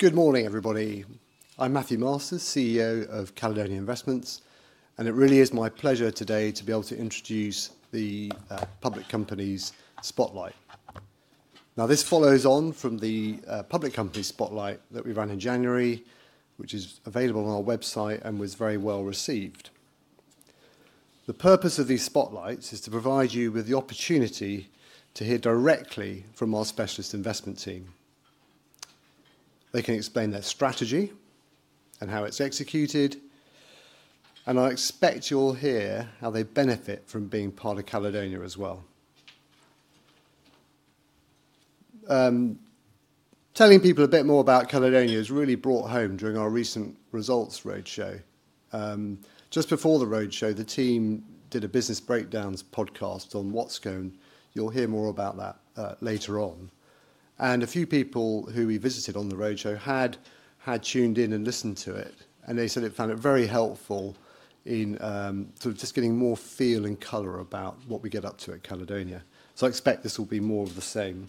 Good morning, everybody. I'm Mathew Masters, CEO of Caledonia Investments, and it really is my pleasure today to be able to introduce the Public Companies Spotlight. Now, this follows on from the Public Companies Spotlight that we ran in January, which is available on our website and was very well received. The purpose of these spotlights is to provide you with the opportunity to hear directly from our specialist investment team. They can explain their strategy and how it's executed, and I expect you'll hear how they benefit from being part of Caledonia as well. Telling people a bit more about Caledonia was really brought home during our recent Results Roadshow. Just before the Roadshow, the team did a business breakdowns podcast on What's Going. You'll hear more about that later on. A few people who we visited on the Roadshow had tuned in and listened to it, and they said they found it very helpful in sort of just getting more feel and color about what we get up to at Caledonia. I expect this will be more of the same.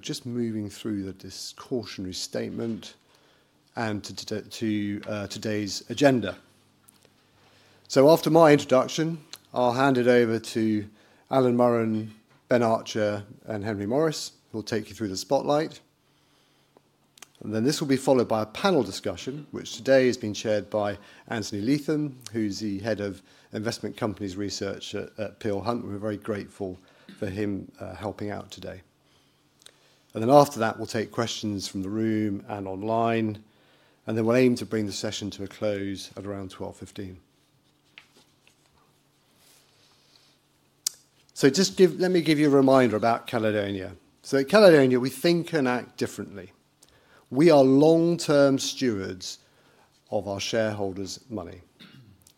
Just moving through the discourse statement and to today's agenda. After my introduction, I'll hand it over to Alan Murran, Ben Archer, and Henry Morris, who will take you through the spotlight. This will be followed by a panel discussion, which today is being chaired by Anthony Leatham, who's the Head of Investment Companies Research at Peel Hunt, and we're very grateful for him helping out today. After that, we'll take questions from the room and online, and then we'll aim to bring the session to a close at around 12:15 P.M. Let me give you a reminder about Caledonia. At Caledonia, we think and act differently. We are long-term stewards of our shareholders' money,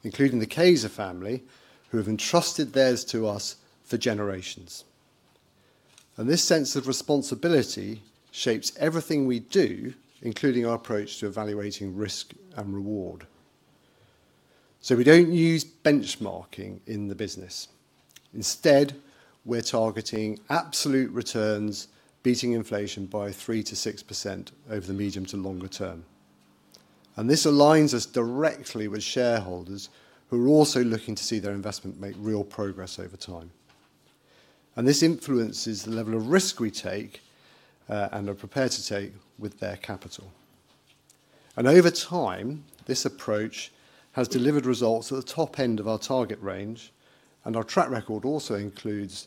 including the Cayzer family, who have entrusted theirs to us for generations. This sense of responsibility shapes everything we do, including our approach to evaluating risk and reward. We do not use benchmarking in the business. Instead, we are targeting absolute returns, beating inflation by 3%-6% over the medium to longer term. This aligns us directly with shareholders who are also looking to see their investment make real progress over time. This influences the level of risk we take and are prepared to take with their capital. Over time, this approach has delivered results at the top end of our target range, and our track record also includes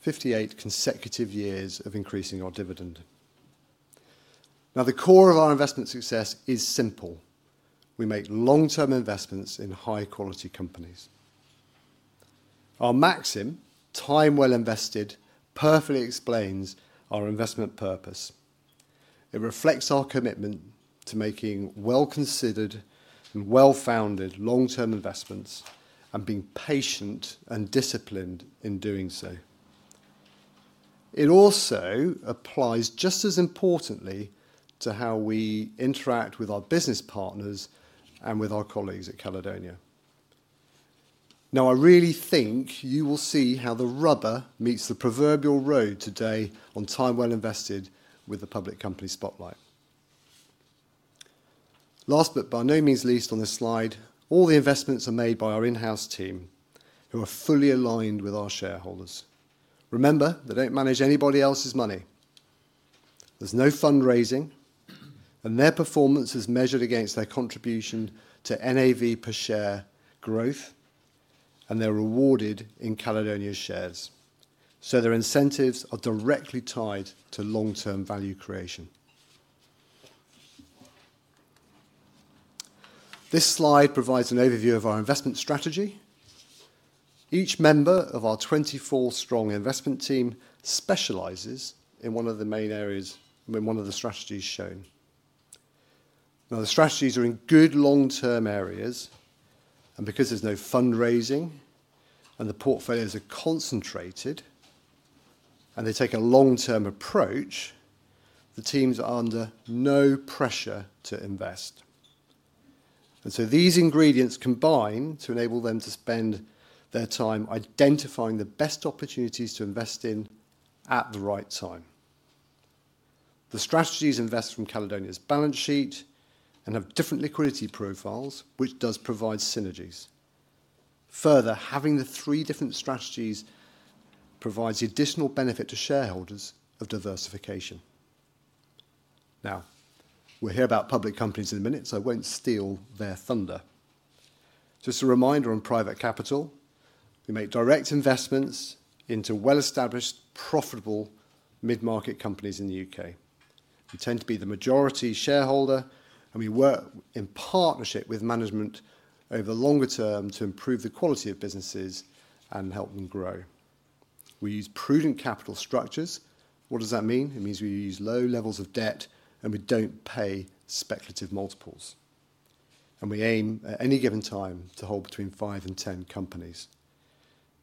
58 consecutive years of increasing our dividend. Now, the core of our investment success is simple. We make long-term investments in high-quality companies. Our maxim, "Time well invested," perfectly explains our investment purpose. It reflects our commitment to making well-considered and well-founded long-term investments and being patient and disciplined in doing so. It also applies just as importantly to how we interact with our business partners and with our colleagues at Caledonia. Now, I really think you will see how the rubber meets the proverbial road today on "Time well invested" with the Public Companies Spotlight. Last but by no means least on this slide, all the investments are made by our in-house team who are fully aligned with our shareholders. Remember, they do not manage anybody else's money. There is no fundraising, and their performance is measured against their contribution to NAV per share growth, and they are rewarded in Caledonia's shares. Their incentives are directly tied to long-term value creation. This slide provides an overview of our investment strategy. Each member of our 24-strong investment team specializes in one of the main areas with one of the strategies shown. The strategies are in good long-term areas, and because there is no fundraising and the portfolios are concentrated and they take a long-term approach, the teams are under no pressure to invest. These ingredients combine to enable them to spend their time identifying the best opportunities to invest in at the right time. The strategies invest from Caledonia's balance sheet and have different liquidity profiles, which does provide synergies. Further, having the three different strategies provides additional benefit to shareholders of diversification. We will hear about public companies in a minute, so I will not steal their thunder. Just a reminder on private capital, we make direct investments into well-established, profitable mid-market companies in the U.K. We tend to be the majority shareholder, and we work in partnership with management over the longer term to improve the quality of businesses and help them grow. We use prudent capital structures. What does that mean? It means we use low levels of debt, and we do not pay speculative multiples. We aim at any given time to hold between 5 and 10 companies.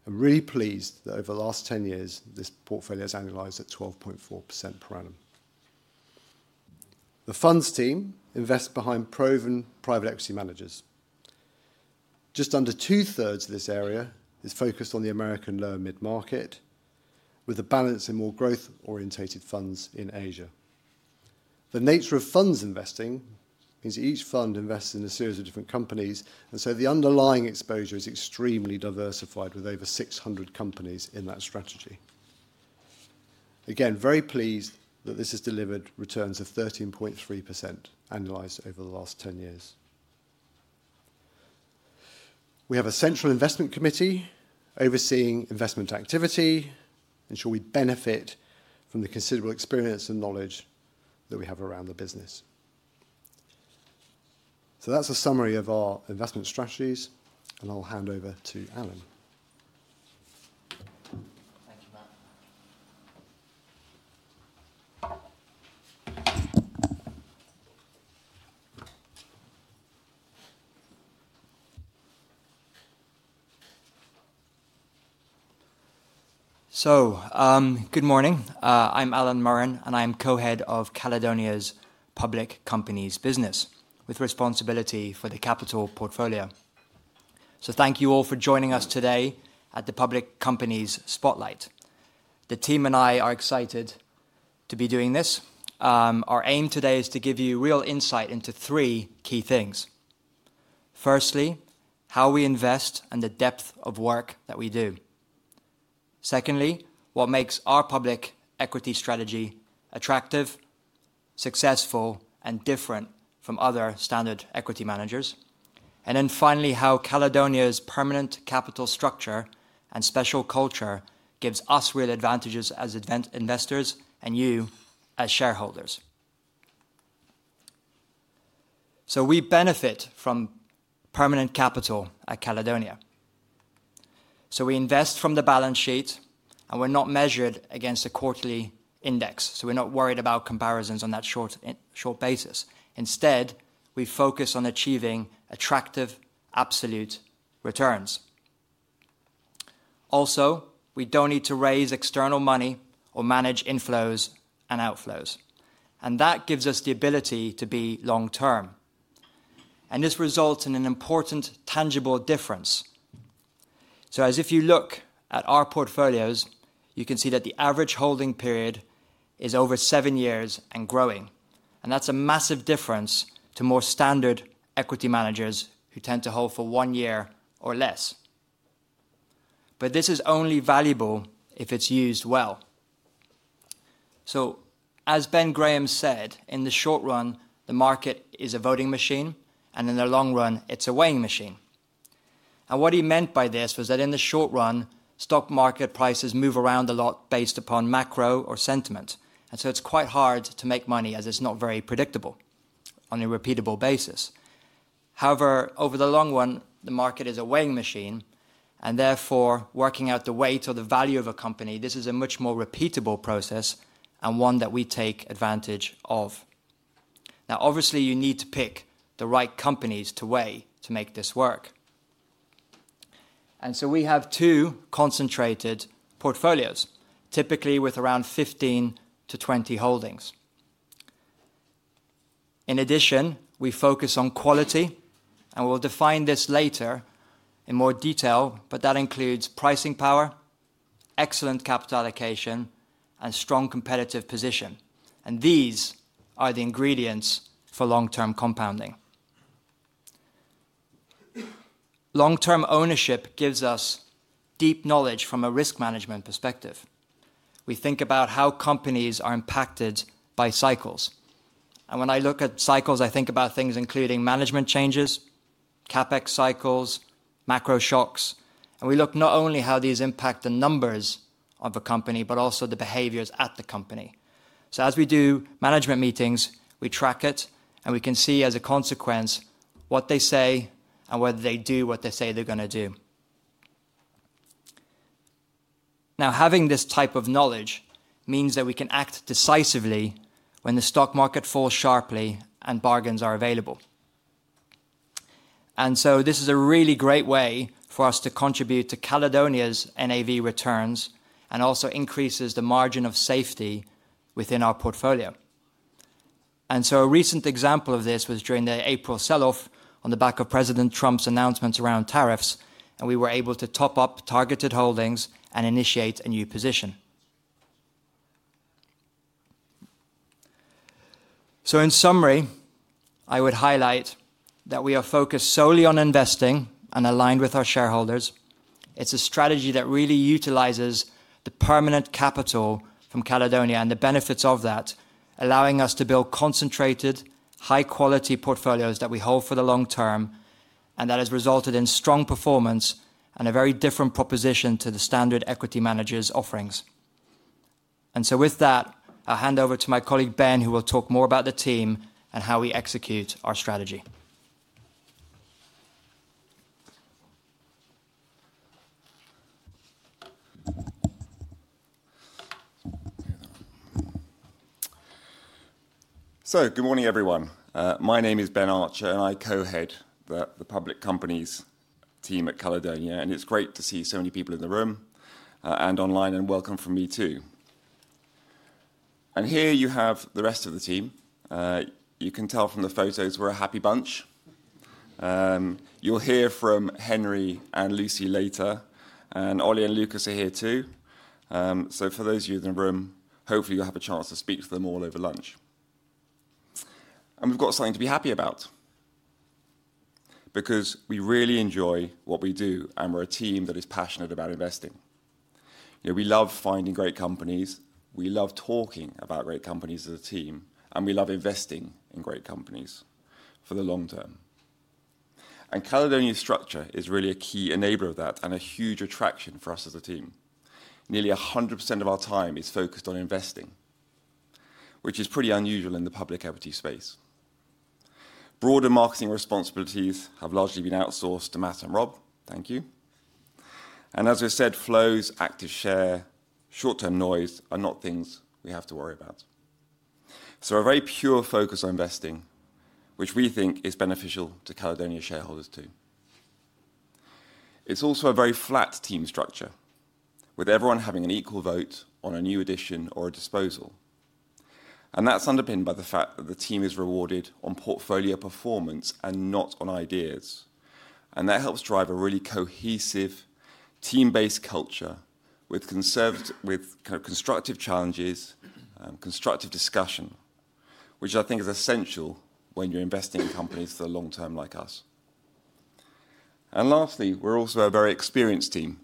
I'm really pleased that over the last 10 years, this portfolio has annualized at 12.4% per annum. The funds team invests behind proven private equity managers. Just under two-thirds of this area is focused on the American lower mid-market, with a balance in more growth-orientated funds in Asia. The nature of funds investing means each fund invests in a series of different companies, and so the underlying exposure is extremely diversified with over 600 companies in that strategy. Again, very pleased that this has delivered returns of 13.3% annualized over the last 10 years. We have a central investment committee overseeing investment activity and ensure we benefit from the considerable experience and knowledge that we have around the business. That is a summary of our investment strategies, and I'll hand over to Alan. Good morning. I'm Alan Murran, and I am Co-Head of Caledonia's Public Companies business with responsibility for the capital portfolio. Thank you all for joining us today at the Public Companies Spotlight. The team and I are excited to be doing this. Our aim today is to give you real insight into three key things. Firstly, how we invest and the depth of work that we do. Secondly, what makes our public equity strategy attractive, successful, and different from other standard equity managers. Finally, how Caledonia's permanent capital structure and special culture gives us real advantages as investors and you as shareholders. We benefit from permanent capital at Caledonia. We invest from the balance sheet, and we're not measured against a quarterly index. We're not worried about comparisons on that short basis. Instead, we focus on achieving attractive absolute returns. Also, we don't need to raise external money or manage inflows and outflows. That gives us the ability to be long-term. This results in an important tangible difference. If you look at our portfolios, you can see that the average holding period is over seven years and growing. That's a massive difference to more standard equity managers who tend to hold for one year or less. This is only valuable if it's used well. As Ben Graham said, in the short run, the market is a voting machine, and in the long run, it's a weighing machine. What he meant by this was that in the short run, stock market prices move around a lot based upon macro or sentiment. It's quite hard to make money as it's not very predictable on a repeatable basis. However, over the long run, the market is a weighing machine, and therefore, working out the weight or the value of a company, this is a much more repeatable process and one that we take advantage of. Now, obviously, you need to pick the right companies to weigh to make this work. We have two concentrated portfolios, typically with around 15 holdings-20 holdings. In addition, we focus on quality, and we'll define this later in more detail, but that includes pricing power, excellent capital allocation, and strong competitive position. These are the ingredients for long-term compounding. Long-term ownership gives us deep knowledge from a risk management perspective. We think about how companies are impacted by cycles. When I look at cycles, I think about things including management changes, CapEx cycles, macro shocks. We look not only at how these impact the numbers of a company, but also the behaviors at the company. As we do management meetings, we track it, and we can see as a consequence what they say and whether they do what they say they're going to do. Having this type of knowledge means that we can act decisively when the stock market falls sharply and bargains are available. This is a really great way for us to contribute to Caledonia's NAV returns and also increases the margin of safety within our portfolio. A recent example of this was during the April selloff on the back of President Trump's announcements around tariffs, and we were able to top up targeted holdings and initiate a new position. In summary, I would highlight that we are focused solely on investing and aligned with our shareholders. It's a strategy that really utilizes the permanent capital from Caledonia and the benefits of that, allowing us to build concentrated, high-quality portfolios that we hold for the long term, and that has resulted in strong performance and a very different proposition to the standard equity managers' offerings. With that, I'll hand over to my colleague Ben, who will talk more about the team and how we execute our strategy. Good morning, everyone. My name is Ben Archer, and I Co-Head the Public Companies team at Caledonia. It is great to see so many people in the room and online, and welcome from me too. Here you have the rest of the team. You can tell from the photos we are a happy bunch. You will hear from Henry and Lucy later, and Ollie and Lucas are here too. For those of you in the room, hopefully you will have a chance to speak to them all over lunch. We have got something to be happy about because we really enjoy what we do, and we are a team that is passionate about investing. We love finding great companies. We love talking about great companies as a team, and we love investing in great companies for the long term. Caledonia's structure is really a key enabler of that and a huge attraction for us as a team. Nearly 100% of our time is focused on investing, which is pretty unusual in the public equity space. Broader marketing responsibilities have largely been outsourced to Matt and Rob. Thank you. As I said, flows, active share, short-term noise are not things we have to worry about. A very pure focus on investing, which we think is beneficial to Caledonia shareholders too. It is also a very flat team structure, with everyone having an equal vote on a new addition or a disposal. That is underpinned by the fact that the team is rewarded on portfolio performance and not on ideas. That helps drive a really cohesive team-based culture with constructive challenges and constructive discussion, which I think is essential when you're investing in companies for the long term like us. Lastly, we're also a very experienced team.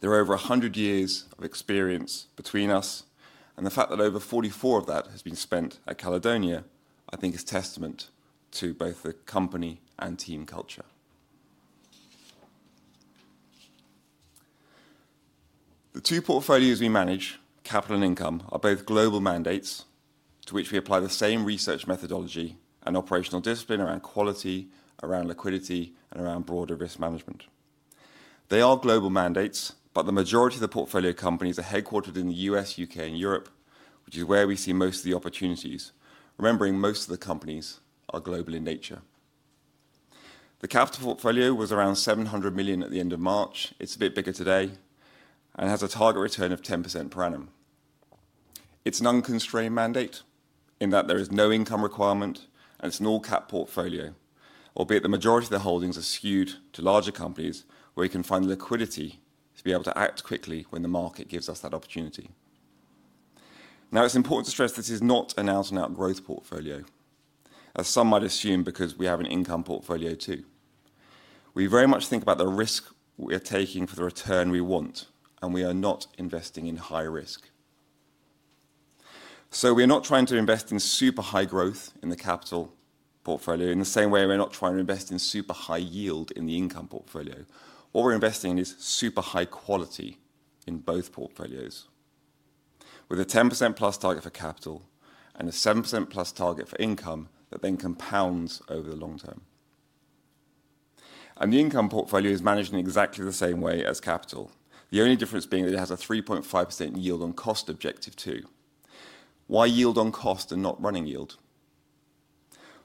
There are over 100 years of experience between us, and the fact that over 44 of that has been spent at Caledonia, I think, is a testament to both the company and team culture. The two portfolios we manage, Capital and Income, are both global mandates to which we apply the same research methodology and operational discipline around quality, around liquidity, and around broader risk management. They are global mandates, but the majority of the portfolio companies are headquartered in the U.S., U.K., and Europe, which is where we see most of the opportunities, remembering most of the companies are global in nature. The capital portfolio was around 700 million at the end of March. It's a bit bigger today and has a target return of 10% per annum. It's an unconstrained mandate in that there is no income requirement, and it's an all-cap portfolio, albeit the majority of the holdings are skewed to larger companies where we can find liquidity to be able to act quickly when the market gives us that opportunity. Now, it's important to stress this is not an out-and-out growth portfolio, as some might assume, because we have an income portfolio too. We very much think about the risk we are taking for the return we want, and we are not investing in high risk. We are not trying to invest in super high growth in the capital portfolio in the same way we're not trying to invest in super high yield in the income portfolio. What we're investing in is super high quality in both portfolios, with a 10%+ target for capital and a 7%+ target for income that then compounds over the long term. The income portfolio is managed in exactly the same way as capital, the only difference being that it has a 3.5% yield on cost objective too. Why yield on cost and not running yield?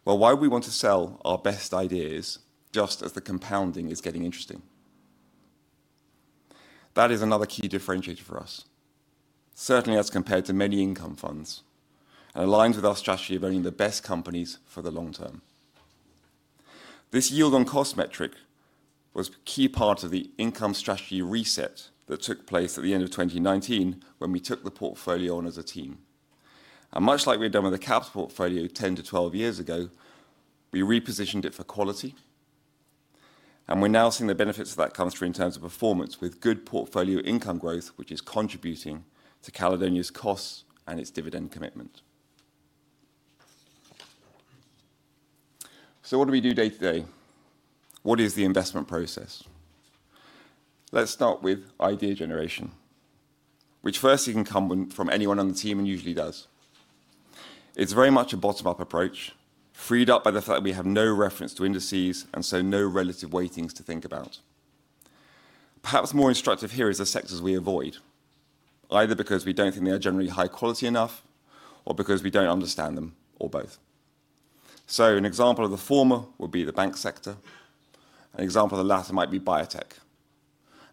Why would we want to sell our best ideas just as the compounding is getting interesting? That is another key differentiator for us, certainly as compared to many income funds, and aligns with our strategy of owning the best companies for the long term. This yield on cost metric was a key part of the income strategy reset that took place at the end of 2019 when we took the portfolio on as a team. Much like we had done with the caps portfolio 10 years to 12 years ago, we repositioned it for quality. We are now seeing the benefits of that come through in terms of performance with good portfolio income growth, which is contributing to Caledonia's costs and its dividend commitment. What do we do day to day? What is the investment process? Let's start with idea generation, which firstly can come from anyone on the team and usually does. It is very much a bottom-up approach, freed up by the fact that we have no reference to indices and so no relative weightings to think about. Perhaps more instructive here is the sectors we avoid, either because we do not think they are generally high quality enough or because we do not understand them or both. An example of the former would be the bank sector. An example of the latter might be biotech.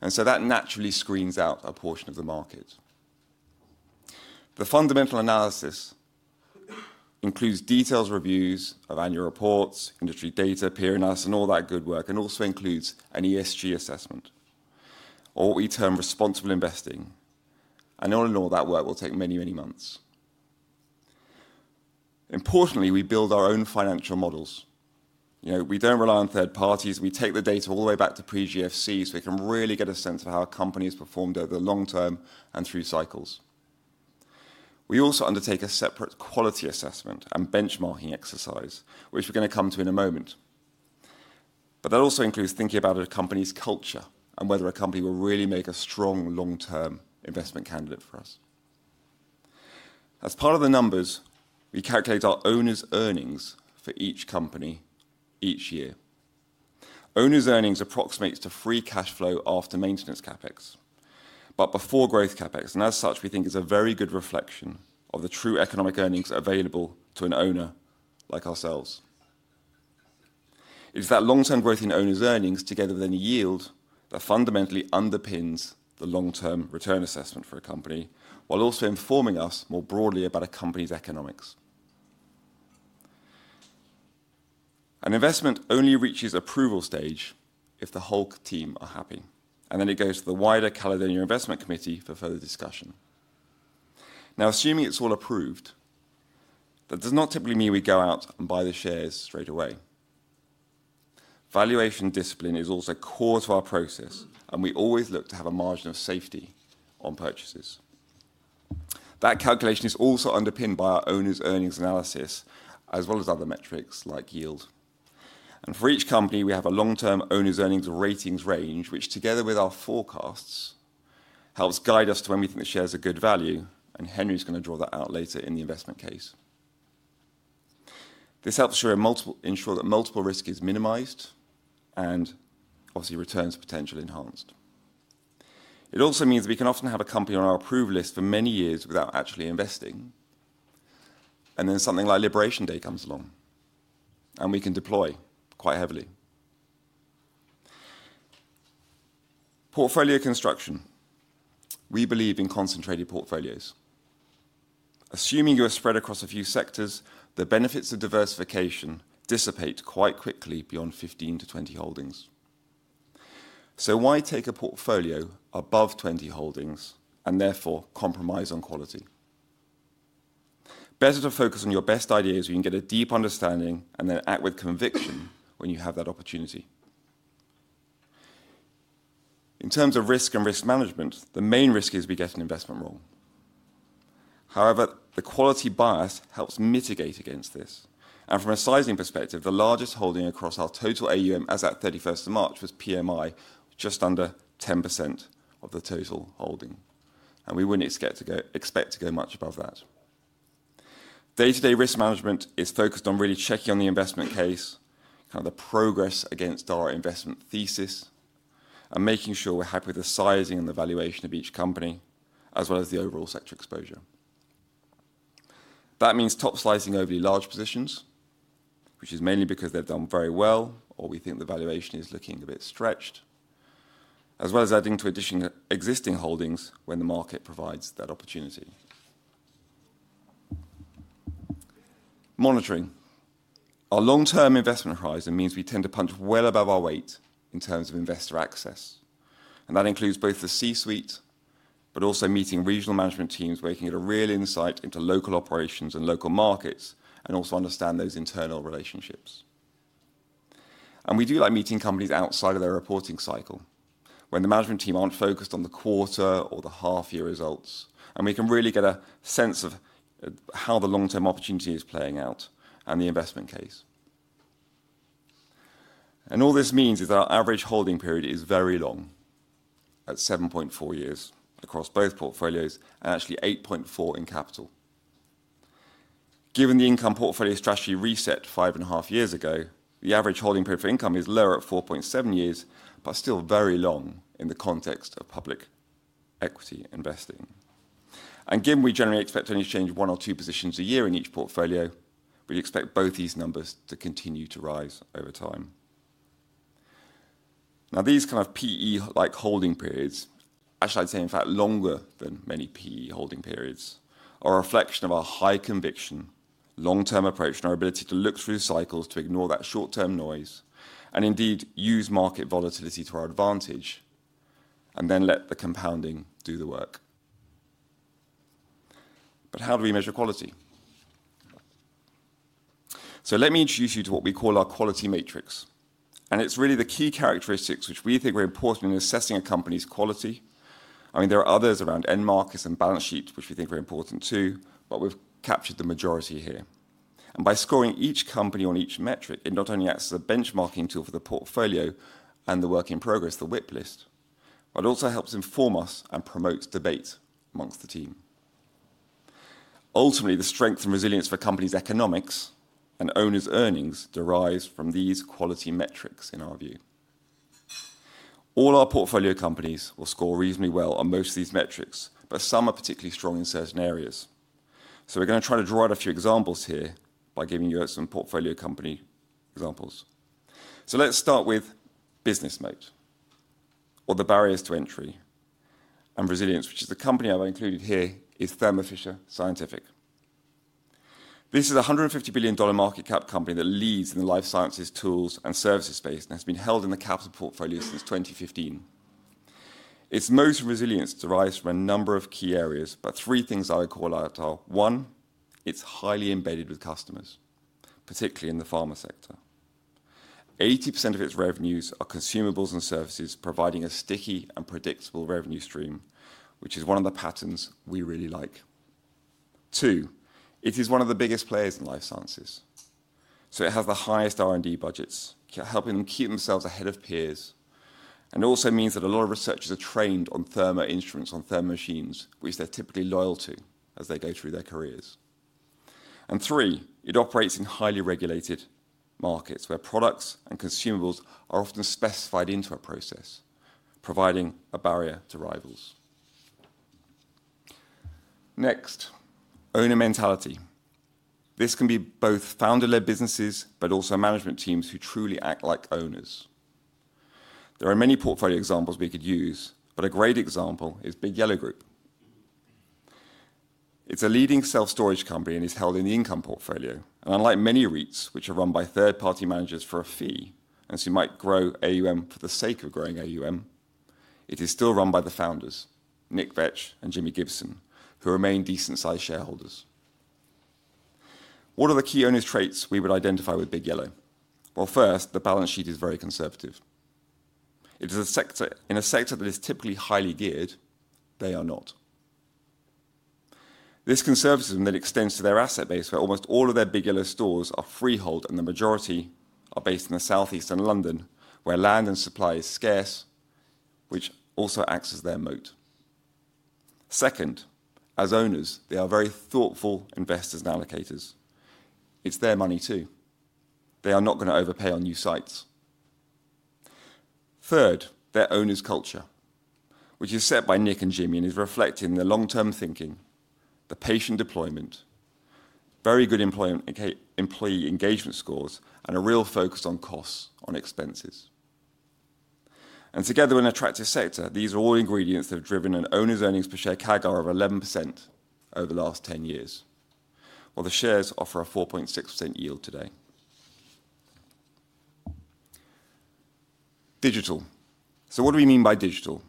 That naturally screens out a portion of the market. The fundamental analysis includes detailed reviews of annual reports, industry data, peer analysts, and all that good work, and also includes an ESG assessment or what we term responsible investing. All in all, that work will take many, many months. Importantly, we build our own financial models. We do not rely on third parties. We take the data all the way back to pre-GFC so we can really get a sense of how a company has performed over the long term and through cycles. We also undertake a separate quality assessment and benchmarking exercise, which we are going to come to in a moment. That also includes thinking about a company's culture and whether a company will really make a strong long-term investment candidate for us. As part of the numbers, we calculate our owner's earnings for each company each year. Owner's earnings approximates to free cash flow after maintenance CapEx, but before growth CapEx. As such, we think it's a very good reflection of the true economic earnings available to an owner like ourselves. It's that long-term growth in owner's earnings together with any yield that fundamentally underpins the long-term return assessment for a company, while also informing us more broadly about a company's economics. An investment only reaches approval stage if the whole team are happy, and then it goes to the wider Caledonia Investment Committee for further discussion. Now, assuming it's all approved, that does not typically mean we go out and buy the shares straight away. Valuation discipline is also core to our process, and we always look to have a margin of safety on purchases. That calculation is also underpinned by our owner's earnings analysis, as well as other metrics like yield. For each company, we have a long-term owner's earnings ratings range, which together with our forecasts helps guide us to when we think the shares are good value. Henry's going to draw that out later in the investment case. This helps ensure that multiple risk is minimized and obviously returns potential enhanced. It also means that we can often have a company on our approval list for many years without actually investing. Then something like Liberation Day comes along, and we can deploy quite heavily. Portfolio construction. We believe in concentrated portfolios. Assuming you are spread across a few sectors, the benefits of diversification dissipate quite quickly beyond 15 holdings-20 holdings. Why take a portfolio above 20 holdings and therefore compromise on quality? Better to focus on your best ideas when you get a deep understanding and then act with conviction when you have that opportunity. In terms of risk and risk management, the main risk is we get an investment wrong. However, the quality bias helps mitigate against this. From a sizing perspective, the largest holding across our total AUM as at 31st of March was PMI, just under 10% of the total holding. We would not expect to go much above that. Day-to-day risk management is focused on really checking on the investment case, kind of the progress against our investment thesis, and making sure we're happy with the sizing and the valuation of each company, as well as the overall sector exposure. That means top-slicing overly large positions, which is mainly because they've done very well, or we think the valuation is looking a bit stretched, as well as adding to existing holdings when the market provides that opportunity. Monitoring. Our long-term investment horizon means we tend to punch well above our weight in terms of investor access. That includes both the C-suite, but also meeting regional management teams where you can get a real insight into local operations and local markets and also understand those internal relationships. We do like meeting companies outside of their reporting cycle when the management team aren't focused on the quarter or the half-year results, and we can really get a sense of how the long-term opportunity is playing out and the investment case. All this means is that our average holding period is very long at 7.4 years across both portfolios and actually 8.4 years in capital. Given the income portfolio strategy reset 5.5 years ago, the average holding period for income is lower at 4.7 years, but still very long in the context of public equity investing. Given we generally expect to only change one or two positions a year in each portfolio, we expect both these numbers to continue to rise over time. These kind of PE-like holding periods, actually I'd say in fact longer than many PE holding periods, are a reflection of our high conviction, long-term approach, and our ability to look through cycles to ignore that short-term noise and indeed use market volatility to our advantage and then let the compounding do the work. How do we measure quality? Let me introduce you to what we call our quality matrix. It is really the key characteristics which we think are important in assessing a company's quality. I mean, there are others around end markets and balance sheets, which we think are important too, but we have captured the majority here. By scoring each company on each metric, it not only acts as a benchmarking tool for the portfolio and the work in progress, the WIP list, but it also helps inform us and promotes debate amongst the team. Ultimately, the strength and resilience for a company's economics and owner's earnings derives from these quality metrics in our view. All our portfolio companies will score reasonably well on most of these metrics, but some are particularly strong in certain areas. We are going to try to draw out a few examples here by giving you some portfolio company examples. Let's start with business mode or the barriers to entry and resilience, which is the company I've included here is Thermo Fisher Scientific. This is a $150 billion market cap company that leads in the life sciences, tools, and services space and has been held in the capital portfolio since 2015. Its most resilience derives from a number of key areas, but three things I would call out are, one, it's highly embedded with customers, particularly in the pharma sector. 80% of its revenues are consumables and services, providing a sticky and predictable revenue stream, which is one of the patterns we really like. Two, it is one of the biggest players in life sciences. It has the highest R&D budgets, helping them keep themselves ahead of peers. It also means that a lot of researchers are trained on Thermo instruments, on Thermo machines, which they're typically loyal to as they go through their careers. Three, it operates in highly regulated markets where products and consumables are often specified into a process, providing a barrier to rivals. Next, owner mentality. This can be both founder-led businesses, but also management teams who truly act like owners. There are many portfolio examples we could use, but a great example is Big Yellow Group. It's a leading self-storage company and is held in the income portfolio. Unlike many REITs, which are run by third-party managers for a fee, and so you might grow AUM for the sake of growing AUM, it is still run by the founders, Nick Vetch and Jimmy Gibson, who remain decent-sized shareholders. What are the key owner's traits we would identify with Big Yellow? First, the balance sheet is very conservative. It is a sector in a sector that is typically highly geared; they are not. This conservatism then extends to their asset base where almost all of their Big Yellow stores are freehold and the majority are based in the southeast and London, where land and supply is scarce, which also acts as their moat. Second, as owners, they are very thoughtful investors and allocators. It's their money too. They are not going to overpay on new sites. Third, their owner's culture, which is set by Nick and Jimmy and is reflecting the long-term thinking, the patient deployment, very good employee engagement scores, and a real focus on costs, on expenses. Together in an attractive sector, these are all ingredients that have driven an owner's earnings per share CAGR of 11% over the last 10 years, while the shares offer a 4.6% yield today. Digital. What do we mean by digital?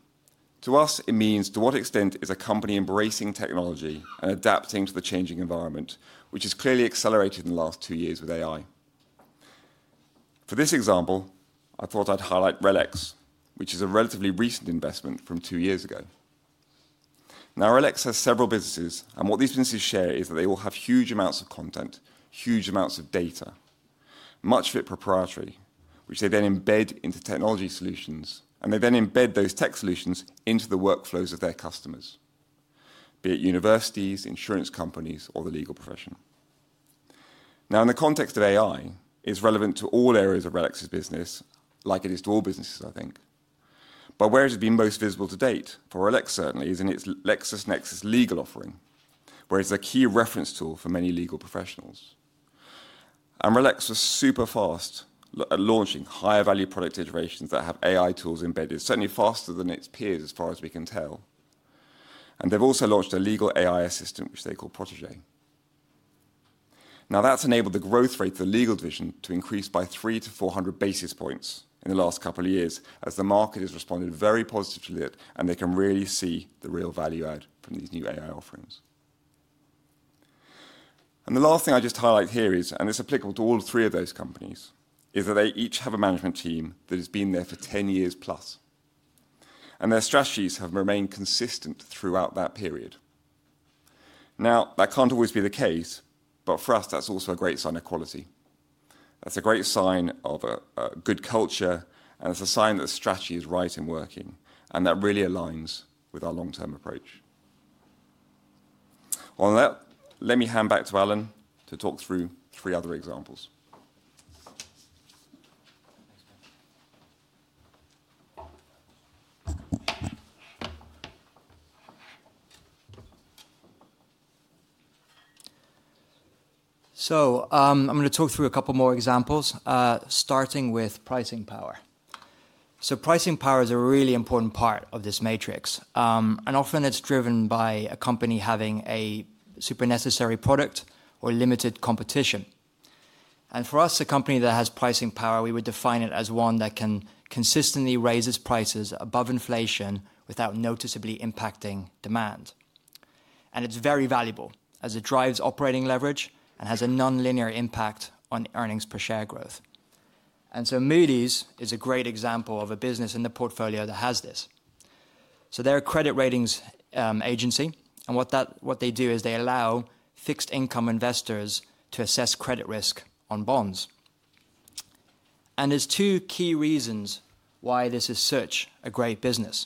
To us, it means to what extent is a company embracing technology and adapting to the changing environment, which has clearly accelerated in the last two years with AI. For this example, I thought I would highlight RELX, which is a relatively recent investment from two years ago. Now, RELX has several businesses, and what these businesses share is that they will have huge amounts of content, huge amounts of data, much of it proprietary, which they then embed into technology solutions, and they then embed those tech solutions into the workflows of their customers, be it universities, insurance companies, or the legal profession. Now, in the context of AI, it's relevant to all areas of RELX's business, like it is to all businesses, I think. Where it has been most visible to date for RELX, certainly, is in its LexisNexis legal offering, where it's a key reference tool for many legal professionals. RELX was super fast at launching higher-value product iterations that have AI tools embedded, certainly faster than its peers as far as we can tell. They have also launched a legal AI assistant, which they call Protege. Now, that's enabled the growth rate of the legal division to increase by 300 basis points-400 basis points in the last couple of years as the market has responded very positively to it, and they can really see the real value add from these new AI offerings. The last thing I just highlight here is, and it's applicable to all three of those companies, that they each have a management team that has been there for 10 years+, and their strategies have remained consistent throughout that period. Now, that cannot always be the case, but for us, that's also a great sign of quality. That's a great sign of a good culture, and it's a sign that the strategy is right and working, and that really aligns with our long-term approach. On that, let me hand back to Alan to talk through three other examples. I'm going to talk through a couple more examples, starting with pricing power. Pricing power is a really important part of this matrix. Often it's driven by a company having a super necessary product or limited competition. For us, a company that has pricing power, we would define it as one that can consistently raise its prices above inflation without noticeably impacting demand. It is very valuable as it drives operating leverage and has a non-linear impact on earnings per share growth. Moody's is a great example of a business in the portfolio that has this. They are a credit ratings agency, and what they do is allow fixed-income investors to assess credit risk on bonds. There are two key reasons why this is such a great business.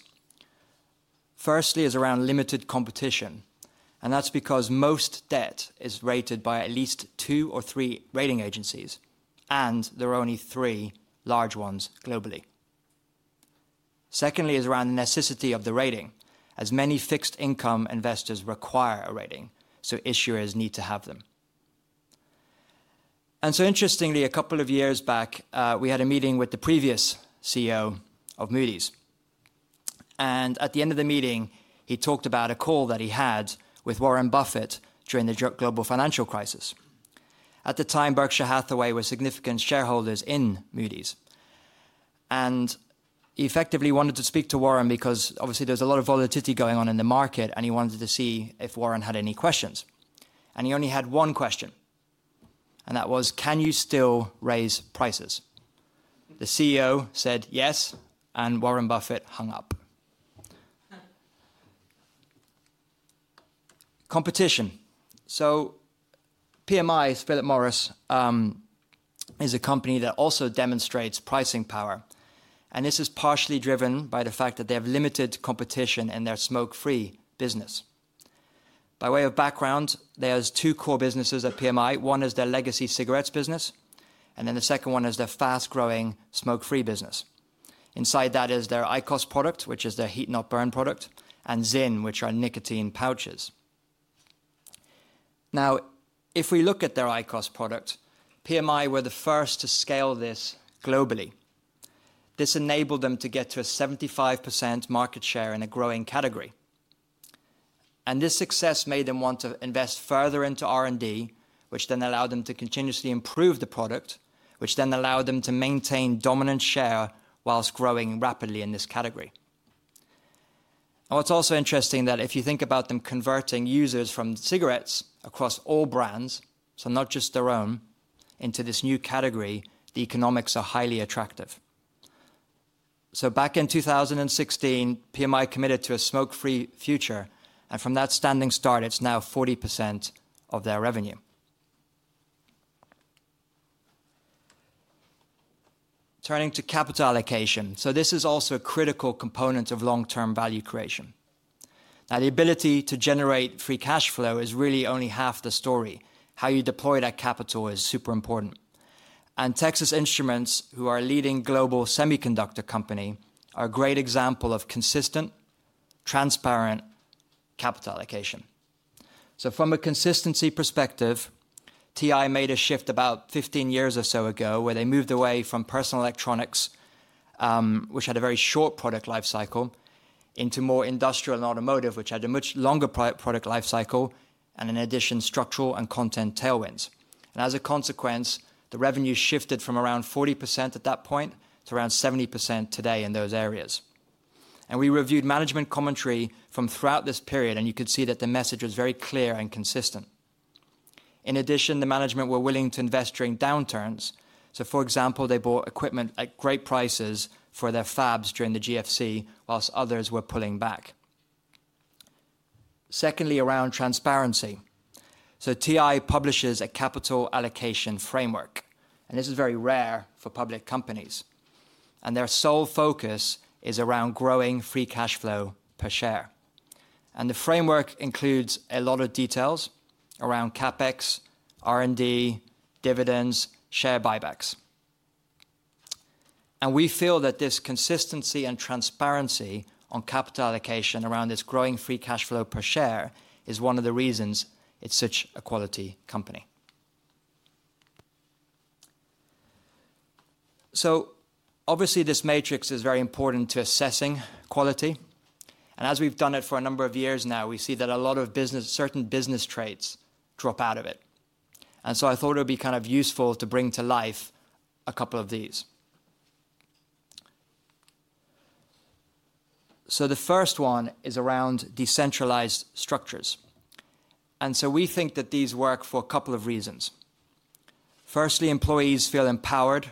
Firstly, it is around limited competition, and that is because most debt is rated by at least two or three rating agencies, and there are only three large ones globally. Secondly, it is around the necessity of the rating, as many fixed-income investors require a rating, so issuers need to have them. Interestingly, a couple of years back, we had a meeting with the previous CEO of Moody's. At the end of the meeting, he talked about a call that he had with Warren Buffett during the global financial crisis. At the time, Berkshire Hathaway were significant shareholders in Moody's. He effectively wanted to speak to Warren because obviously there is a lot of volatility going on in the market, and he wanted to see if Warren had any questions. He only had one question, and that was, can you still raise prices? The CEO said yes, and Warren Buffett hung up. Competition. PMI, Philip Morris, is a company that also demonstrates pricing power. This is partially driven by the fact that they have limited competition in their smoke-free business. By way of background, there are two core businesses at PMI. One is their legacy cigarettes business, and then the second one is their fast-growing smoke-free business. Inside that is their IQOS product, which is their heat-not-burn product, and ZYN, which are nicotine pouches. Now, if we look at their IQOS product, PMI were the first to scale this globally. This enabled them to get to a 75% market share in a growing category. This success made them want to invest further into R&D, which then allowed them to continuously improve the product, which then allowed them to maintain dominant share whilst growing rapidly in this category. What is also interesting is that if you think about them converting users from cigarettes across all brands, so not just their own, into this new category, the economics are highly attractive. Back in 2016, PMI committed to a smoke-free future, and from that standing start, it's now 40% of their revenue. Turning to capital allocation. This is also a critical component of long-term value creation. Now, the ability to generate free cash flow is really only half the story. How you deploy that capital is super important. Texas Instruments, who are a leading global semiconductor company, are a great example of consistent, transparent capital allocation. From a consistency perspective, TI made a shift about 15 years or so ago where they moved away from personal electronics, which had a very short product life cycle, into more industrial and automotive, which had a much longer product life cycle, and in addition, structural and content tailwinds. As a consequence, the revenue shifted from around 40% at that point to around 70% today in those areas. We reviewed management commentary from throughout this period, and you could see that the message was very clear and consistent. In addition, the management were willing to invest during downturns. For example, they bought equipment at great prices for their fabs during the GFC, whilst others were pulling back. Secondly, around transparency. TI publishes a capital allocation framework, and this is very rare for public companies. Their sole focus is around growing free cash flow per share. The framework includes a lot of details around CapEx, R&D, dividends, share buybacks. We feel that this consistency and transparency on capital allocation around this growing free cash flow per share is one of the reasons it is such a quality company. Obviously, this matrix is very important to assessing quality. As we've done it for a number of years now, we see that a lot of certain business traits drop out of it. I thought it would be kind of useful to bring to life a couple of these. The first one is around decentralized structures. We think that these work for a couple of reasons. Firstly, employees feel empowered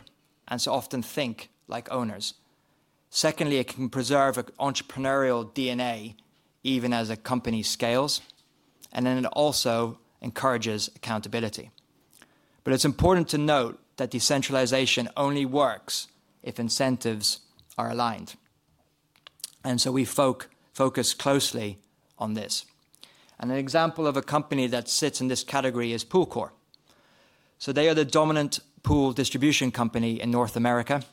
and often think like owners. Secondly, it can preserve an entrepreneurial DNA even as a company scales, and it also encourages accountability. It is important to note that decentralization only works if incentives are aligned. We focus closely on this. An example of a company that sits in this category is POOLCORP. They are the dominant pool distribution company in North America.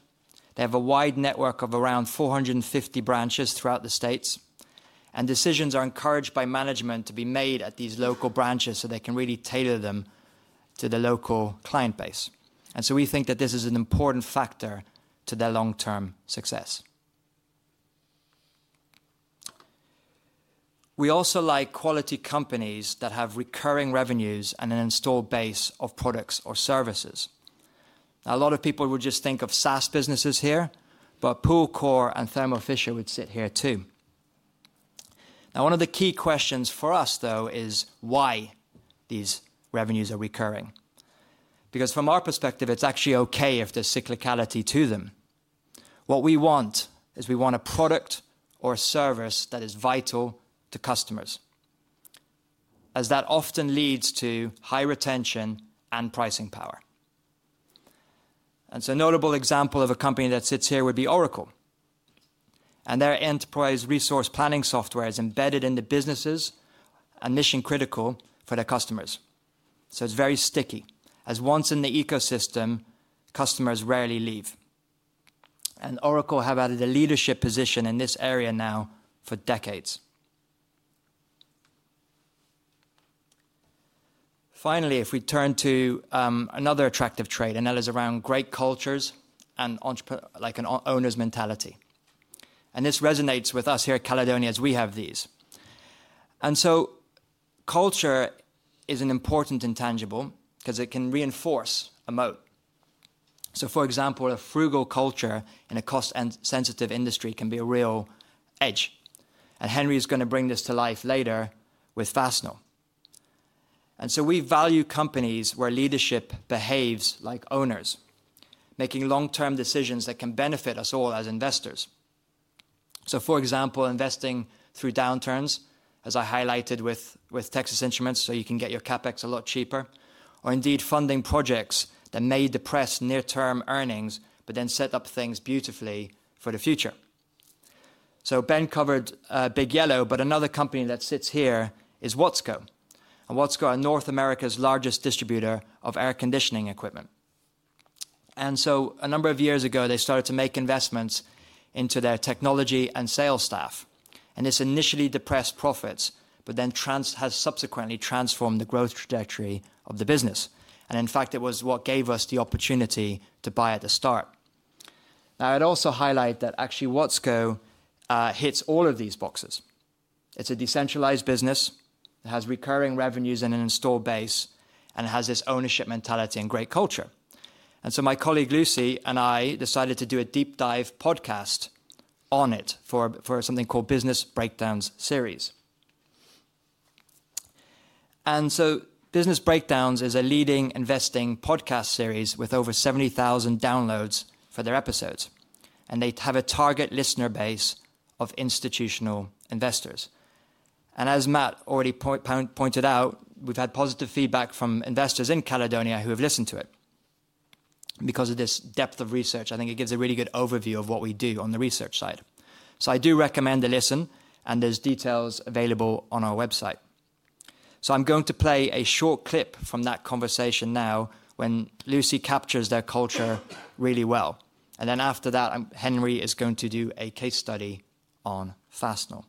They have a wide network of around 450 branches throughout the states. Decisions are encouraged by management to be made at these local branches so they can really tailor them to the local client base. We think that this is an important factor to their long-term success. We also like quality companies that have recurring revenues and an installed base of products or services. Now, a lot of people would just think of SaaS businesses here, but POOLCORP and Thermo Fisher would sit here too. One of the key questions for us, though, is why these revenues are recurring. From our perspective, it is actually okay if there is cyclicality to them. What we want is a product or service that is vital to customers, as that often leads to high retention and pricing power. A notable example of a company that sits here would be Oracle. Their enterprise resource planning software is embedded in the businesses and mission-critical for their customers. It is very sticky, as once in the ecosystem, customers rarely leave. Oracle have had a leadership position in this area now for decades. Finally, if we turn to another attractive trait, that is around great cultures and an owner's mentality. This resonates with us here at Caledonia as we have these. Culture is an important intangible because it can reinforce a moat. For example, a frugal culture in a cost-sensitive industry can be a real edge. Henry is going to bring this to life later with Fastenal. We value companies where leadership behaves like owners, making long-term decisions that can benefit us all as investors. For example, investing through downturns, as I highlighted with Texas Instruments, you can get your CapEx a lot cheaper, or indeed funding projects that may depress near-term earnings but then set up things beautifully for the future. Ben covered Big Yellow, but another company that sits here is Watsco. Watsco are North America's largest distributor of air conditioning equipment. A number of years ago, they started to make investments into their technology and sales staff. This initially depressed profits but then has subsequently transformed the growth trajectory of the business. In fact, it was what gave us the opportunity to buy at the start. I would also highlight that actually Watsco hits all of these boxes. It is a decentralized business that has recurring revenues and an installed base, and it has this ownership mentality and great culture. My colleague Lucy and I decided to do a deep-dive podcast on it for something called Business Breakdowns Series. Business Breakdowns is a leading investing podcast series with over 70,000 downloads for their episodes. They have a target listener base of institutional investors. As Matt already pointed out, we've had positive feedback from investors in Caledonia who have listened to it. Because of this depth of research, I think it gives a really good overview of what we do on the research side. I do recommend a listen, and there are details available on our website. I'm going to play a short clip from that conversation now when Lucy captures their culture really well. After that, Henry is going to do a case study on Fastenal.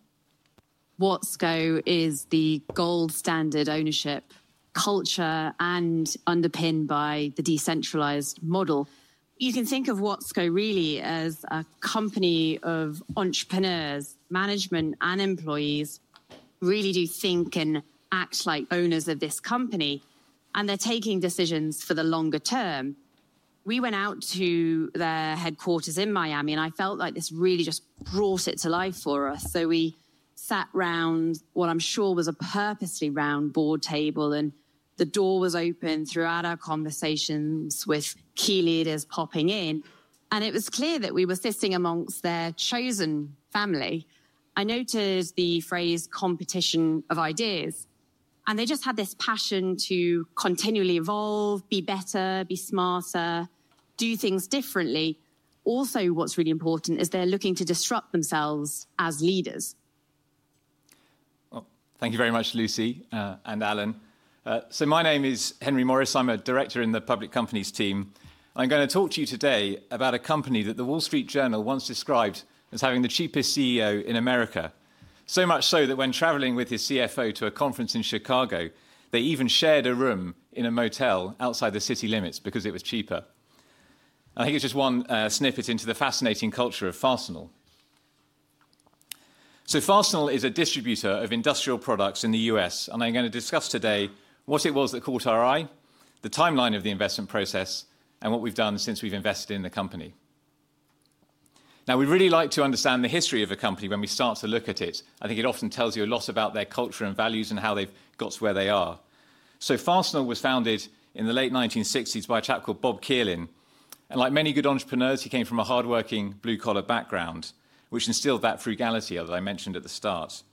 Watsco is the gold standard ownership culture and underpinned by the decentralized model. You can think of Watsco really as a company of entrepreneurs, management, and employees who really do think and act like owners of this company, and they're taking decisions for the longer term. We went out to their headquarters in Miami, and I felt like this really just brought it to life for us. We sat around what I'm sure was a purposely round board table, and the door was open throughout our conversations with key leaders popping in. It was clear that we were sitting amongst their chosen family. I noticed the phrase competition of ideas. They just had this passion to continually evolve, be better, be smarter, do things differently. Also, what's really important is they're looking to disrupt themselves as leaders. Thank you very much, Lucy and Alan. My name is Henry Morris. I'm a Director in the Public Companies team. I'm going to talk to you today about a company that The Wall Street Journal once described as having the cheapest CEO in America, so much so that when traveling with his CFO to a conference in Chicago, they even shared a room in a motel outside the city limits because it was cheaper. I think it's just one snippet into the fascinating culture of Fastenal. Fastenal is a distributor of industrial products in the US, and I'm going to discuss today what it was that caught our eye, the timeline of the investment process, and what we've done since we've invested in the company. Now, we really like to understand the history of a company when we start to look at it. I think it often tells you a lot about their culture and values and how they've got to where they are. Fastenal was founded in the late 1960s by a chap called Bob Kierlin. Like many good entrepreneurs, he came from a hardworking blue-collar background, which instilled that frugality that I mentioned at the start.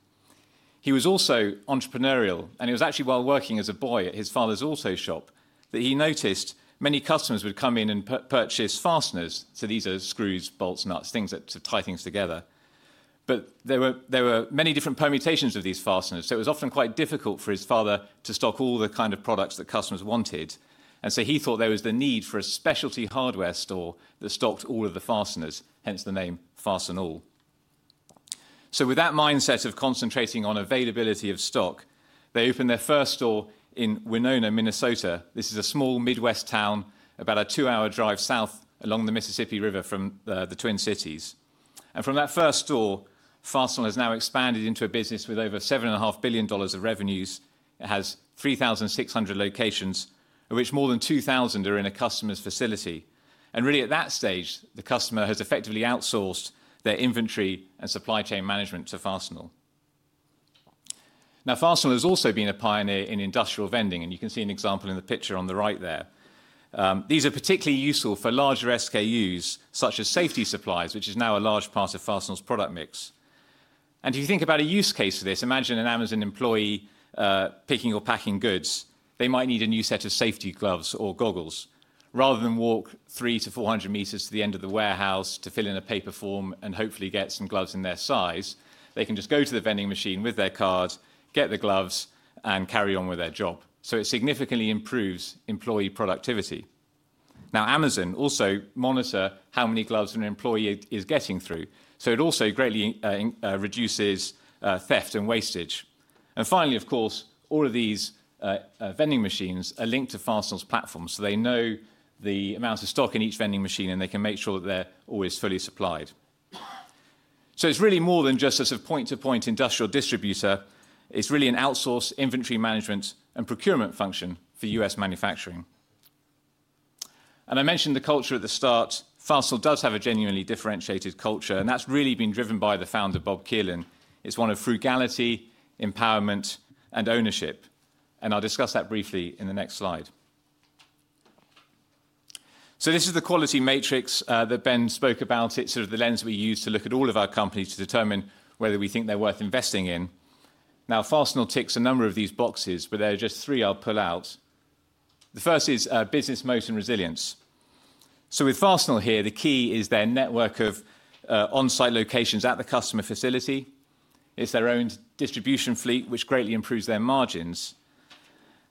He was also entrepreneurial, and it was actually while working as a boy at his father's auto shop that he noticed many customers would come in and purchase fasteners. These are screws, bolts, nuts, things that tie things together. There were many different permutations of these fasteners, so it was often quite difficult for his father to stock all the kind of products that customers wanted. He thought there was the need for a specialty hardware store that stocked all of the fasteners, hence the name Fastenal. With that mindset of concentrating on availability of stock, they opened their first store in Winona, Minnesota. This is a small Midwest town, about a two-hour drive south along the Mississippi River from the Twin Cities. From that first store, Fastenal has now expanded into a business with over $7.5 billion of revenues. It has 3,600 locations, of which more than 2,000 are in a customer's facility. At that stage, the customer has effectively outsourced their inventory and supply chain management to Fastenal. Fastenal has also been a pioneer in industrial vending, and you can see an example in the picture on the right there. These are particularly useful for larger SKUs such as safety supplies, which is now a large part of Fastenal's product mix. If you think about a use case for this, imagine an Amazon employee picking or packing goods. They might need a new set of safety gloves or goggles. Rather than walk 300 m-400 m to the end of the warehouse to fill in a paper form and hopefully get some gloves in their size, they can just go to the vending machine with their card, get the gloves, and carry on with their job. It significantly improves employee productivity. Now, Amazon also monitors how many gloves an employee is getting through. It also greatly reduces theft and wastage. Finally, all of these vending machines are linked to Fastenal's platform, so they know the amount of stock in each vending machine, and they can make sure that they're always fully supplied. It is really more than just a sort of point-to-point industrial distributor. It is really an outsourced inventory management and procurement function for U.S. manufacturing. I mentioned the culture at the start. Fastenal does have a genuinely differentiated culture, and that's really been driven by the founder, Bob Kierlin. It's one of frugality, empowerment, and ownership. I'll discuss that briefly in the next slide. This is the quality matrix that Ben spoke about. It's sort of the lens we use to look at all of our companies to determine whether we think they're worth investing in. Now, Fastenal ticks a number of these boxes, but there are just three I'll pull out. The first is business moat and resilience. With Fastenal here, the key is their network of on-site locations at the customer facility. It's their own distribution fleet, which greatly improves their margins.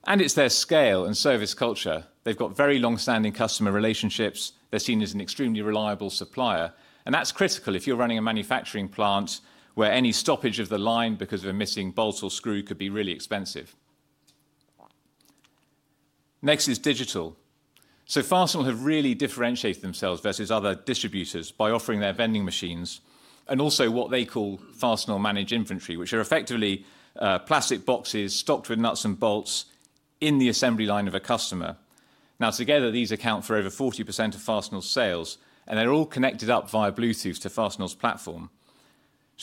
It's their scale and service culture. They've got very long-standing customer relationships. They're seen as an extremely reliable supplier. That is critical if you are running a manufacturing plant where any stoppage of the line because of a missing bolt or screw could be really expensive. Next is digital. Fastenal have really differentiated themselves versus other distributors by offering their vending machines and also what they call Fastenal Managed Inventory, which are effectively plastic boxes stocked with nuts and bolts in the assembly line of a customer. Now, together, these account for over 40% of Fastenal's sales, and they are all connected up via Bluetooth to Fastenal's platform.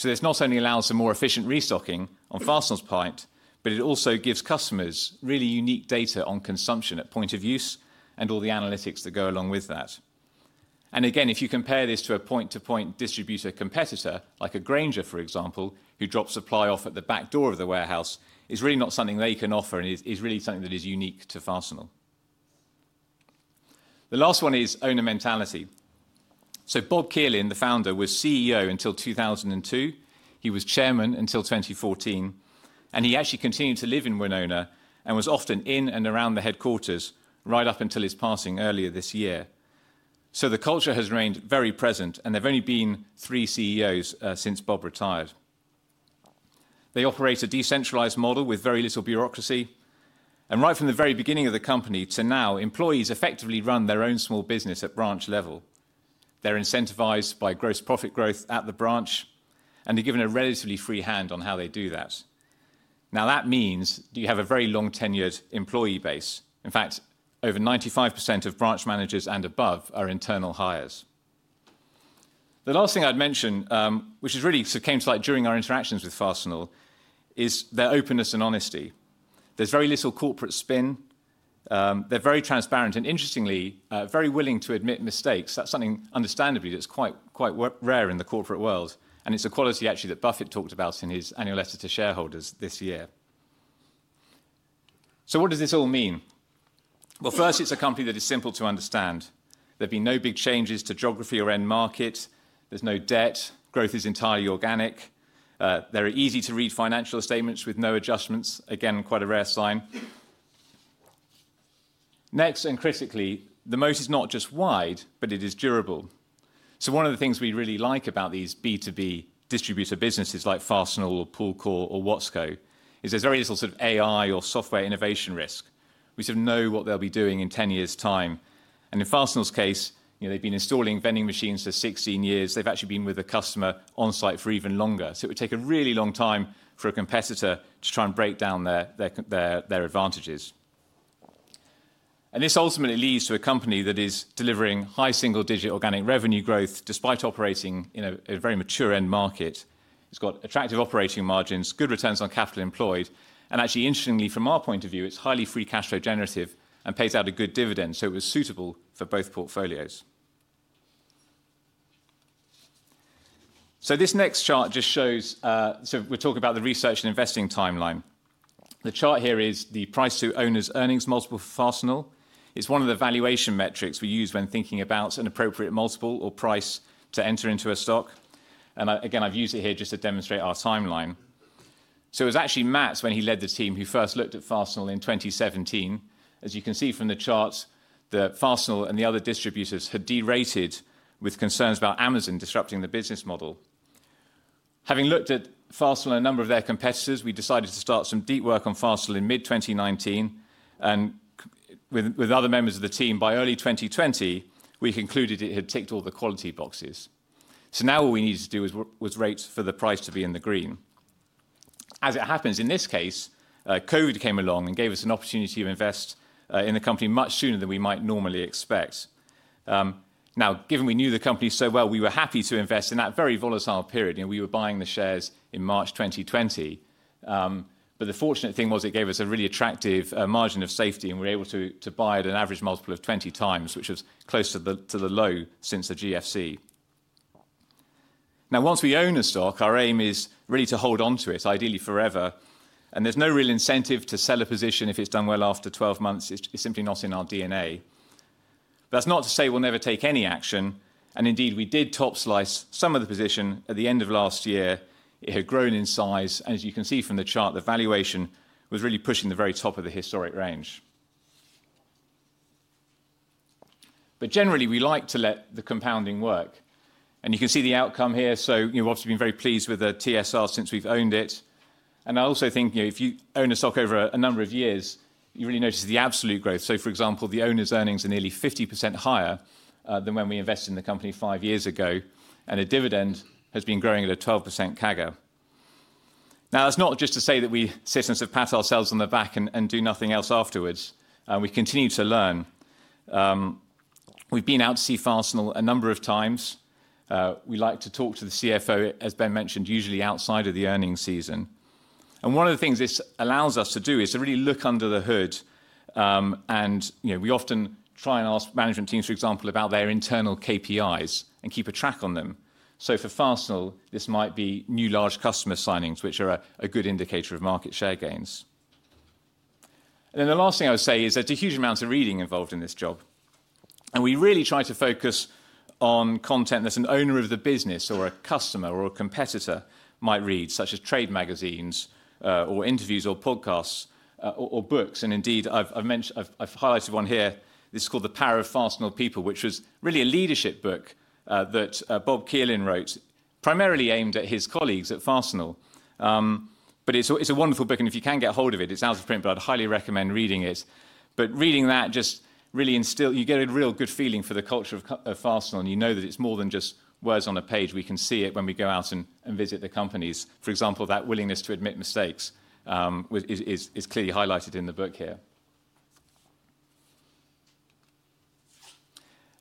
This not only allows for more efficient restocking on Fastenal's part, but it also gives customers really unique data on consumption at point of use and all the analytics that go along with that. If you compare this to a point-to-point distributor competitor, like a Grainger, for example, who drops supply off at the back door of the warehouse, it's really not something they can offer, and it's really something that is unique to Fastenal. The last one is owner mentality. Bob Kierlin, the founder, was CEO until 2002. He was Chairman until 2014. He actually continued to live in Winona and was often in and around the headquarters right up until his passing earlier this year. The culture has remained very present, and there have only been three CEOs since Bob retired. They operate a decentralized model with very little bureaucracy. Right from the very beginning of the company to now, employees effectively run their own small business at branch level. They're incentivized by gross profit growth at the branch, and they're given a relatively free hand on how they do that. Now, that means you have a very long-tenured employee base. In fact, over 95% of branch managers and above are internal hires. The last thing I'd mention, which has really sort of came to light during our interactions with Fastenal, is their openness and honesty. There's very little corporate spin. They're very transparent and, interestingly, very willing to admit mistakes. That's something understandably that's quite rare in the corporate world. It's a quality actually that Buffett talked about in his annual letter to shareholders this year. What does this all mean? First, it's a company that is simple to understand. There have been no big changes to geography or end market. There's no debt. Growth is entirely organic. There are easy-to-read financial statements with no adjustments. Again, quite a rare sign. Next, and critically, the moat is not just wide, but it is durable. One of the things we really like about these B2B distributor businesses like Fastenal or POOLCORP or Watsco is there's very little sort of AI or software innovation risk. We sort of know what they'll be doing in 10 years' time. In Fastenal's case, they've been installing vending machines for 16 years. They've actually been with a customer on-site for even longer. It would take a really long time for a competitor to try and break down their advantages. This ultimately leads to a company that is delivering high single-digit organic revenue growth despite operating in a very mature end market. It's got attractive operating margins, good returns on capital employed. Actually, interestingly, from our point of view, it's highly free cash flow generative and pays out a good dividend. It was suitable for both portfolios. This next chart just shows, we are talking about the research and investing timeline. The chart here is the price to owner's earnings multiple for Fastenal. It's one of the valuation metrics we use when thinking about an appropriate multiple or price to enter into a stock. Again, I've used it here just to demonstrate our timeline. It was actually Matt, when he led the team, who first looked at Fastenal in 2017. As you can see from the chart, Fastenal and the other distributors had derated with concerns about Amazon disrupting the business model. Having looked at Fastenal and a number of their competitors, we decided to start some deep work on Fastenal in mid-2019. With other members of the team, by early 2020, we concluded it had ticked all the quality boxes. Now all we needed to do was wait for the price to be in the green. As it happens, in this case, COVID came along and gave us an opportunity to invest in the company much sooner than we might normally expect. Given we knew the company so well, we were happy to invest in that very volatile period. We were buying the shares in March 2020. The fortunate thing was it gave us a really attractive margin of safety, and we were able to buy at an average multiple of 20 times, which was close to the low since the GFC. Once we own a stock, our aim is really to hold onto it, ideally forever. There is no real incentive to sell a position if it has done well after 12 months. It is simply not in our DNA. That is not to say we will never take any action. Indeed, we did top slice some of the position at the end of last year. It had grown in size. As you can see from the chart, the valuation was really pushing the very top of the historic range. Generally, we like to let the compounding work. You can see the outcome here. We have obviously been very pleased with the TSR since we have owned it. I also think if you own a stock over a number of years, you really notice the absolute growth. For example, the owner's earnings are nearly 50% higher than when we invested in the company five years ago. The dividend has been growing at a 12% CAGR. That is not just to say that we sit and sort of pat ourselves on the back and do nothing else afterwards. We continue to learn. We have been out to see Fastenal a number of times. We like to talk to the CFO, as Ben mentioned, usually outside of the earnings season. One of the things this allows us to do is to really look under the hood. We often try and ask management teams, for example, about their internal KPIs and keep a track on them. For Fastenal, this might be new large customer signings, which are a good indicator of market share gains. The last thing I would say is there is a huge amount of reading involved in this job. We really try to focus on content that an owner of the business or a customer or a competitor might read, such as trade magazines or interviews or podcasts or books. I have highlighted one here. This is called The Power of Fastenal People, which was really a leadership book that Bob Kierlin wrote, primarily aimed at his colleagues at Fastenal. It is a wonderful book. If you can get hold of it, it is out of print, but I would highly recommend reading it. Reading that just really instills, you get a real good feeling for the culture of Fastenal. You know that it is more than just words on a page. We can see it when we go out and visit the companies. For example, that willingness to admit mistakes is clearly highlighted in the book here.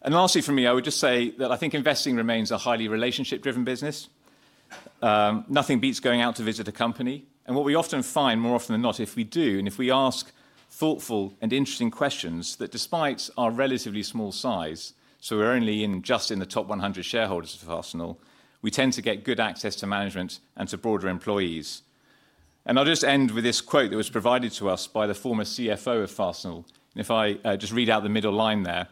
Lastly, for me, I would just say that I think investing remains a highly relationship-driven business. Nothing beats going out to visit a company. What we often find, more often than not, if we do, and if we ask thoughtful and interesting questions, that despite our relatively small size, so we're only just in the top 100 shareholders of Fastenal, we tend to get good access to management and to broader employees. I'll just end with this quote that was provided to us by the former CFO of Fastenal. If I just read out the middle line there,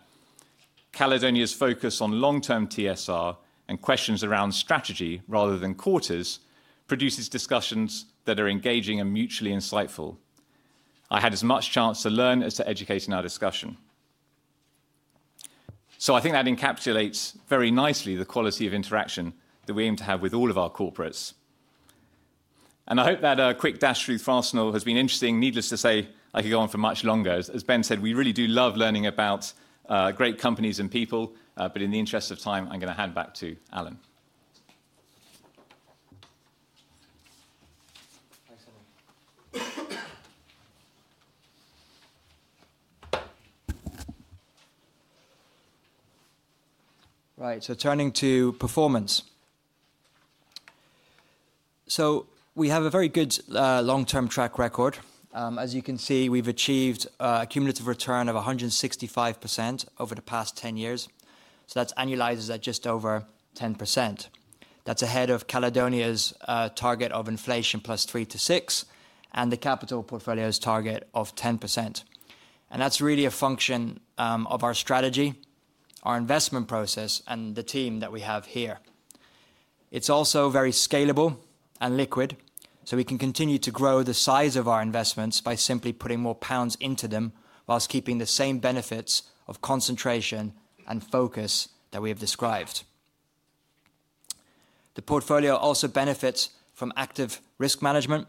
"Caledonia's focus on long-term TSR and questions around strategy rather than quarters produces discussions that are engaging and mutually insightful. I had as much chance to learn as to educate in our discussion." I think that encapsulates very nicely the quality of interaction that we aim to have with all of our corporates. I hope that quick dash through Fastenal has been interesting. Needless to say, I could go on for much longer. As Ben said, we really do love learning about great companies and people. In the interest of time, I'm going to hand back to Alan. Right, turning to performance. We have a very good long-term track record. As you can see, we've achieved a cumulative return of 165% over the past 10 years. That's annualized at just over 10%. That's ahead of Caledonia's target of inflation plus 3%-6% and the capital portfolio's target of 10%. That is really a function of our strategy, our investment process, and the team that we have here. It is also very scalable and liquid, so we can continue to grow the size of our investments by simply putting more pounds into them whilst keeping the same benefits of concentration and focus that we have described. The portfolio also benefits from active risk management.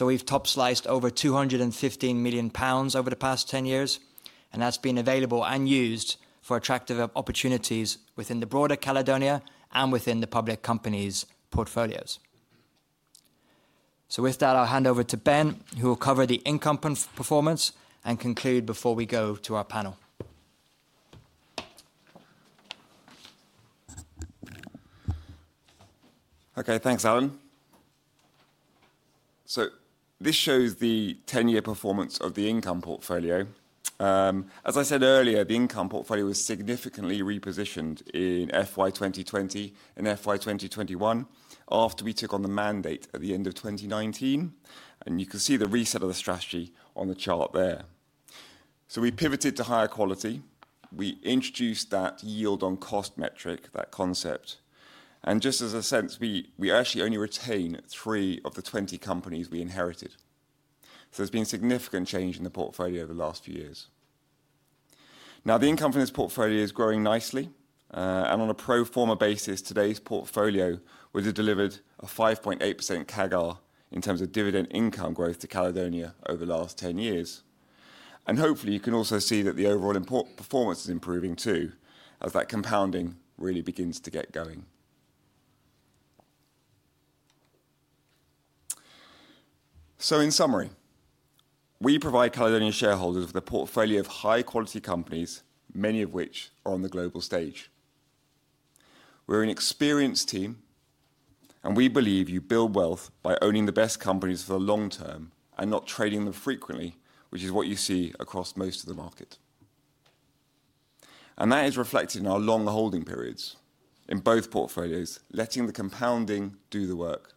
We have top sliced over 215 million pounds over the past 10 years, and that has been available and used for attractive opportunities within the broader Caledonia and within the public companies' portfolios. With that, I will hand over to Ben, who will cover the income performance and conclude before we go to our panel. Okay, thanks, Alan. This shows the 10-year performance of the income portfolio. As I said earlier, the income portfolio was significantly repositioned in FY 2020 and FY 2021 after we took on the mandate at the end of 2019. You can see the reset of the strategy on the chart there. We pivoted to higher quality. We introduced that yield-on-cost metric, that concept. Just as a sense, we actually only retain three of the 20 companies we inherited. There has been significant change in the portfolio over the last few years. Now, the income from this portfolio is growing nicely. On a pro forma basis, today's portfolio would have delivered a 5.8% CAGR in terms of dividend income growth to Caledonia over the last 10 years. Hopefully, you can also see that the overall performance is improving too, as that compounding really begins to get going. In summary, we provide Caledonia shareholders with a portfolio of high-quality companies, many of which are on the global stage. We're an experienced team, and we believe you build wealth by owning the best companies for the long term and not trading them frequently, which is what you see across most of the market. That is reflected in our long holding periods in both portfolios, letting the compounding do the work.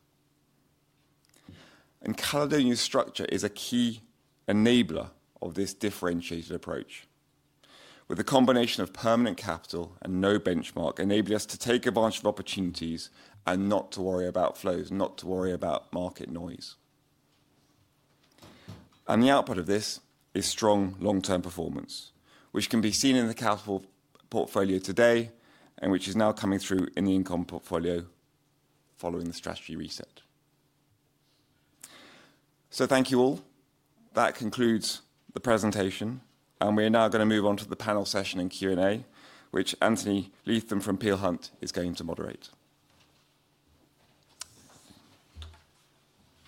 Caledonia's structure is a key enabler of this differentiated approach. With a combination of permanent capital and no benchmark, it enables us to take advantage of opportunities and not to worry about flows, not to worry about market noise. The output of this is strong long-term performance, which can be seen in the capital portfolio today and which is now coming through in the income portfolio following the strategy reset. Thank you all. That concludes the presentation. We are now going to move on to the panel session and Q&A, which Anthony Leatham from Peel Hunt is going to moderate.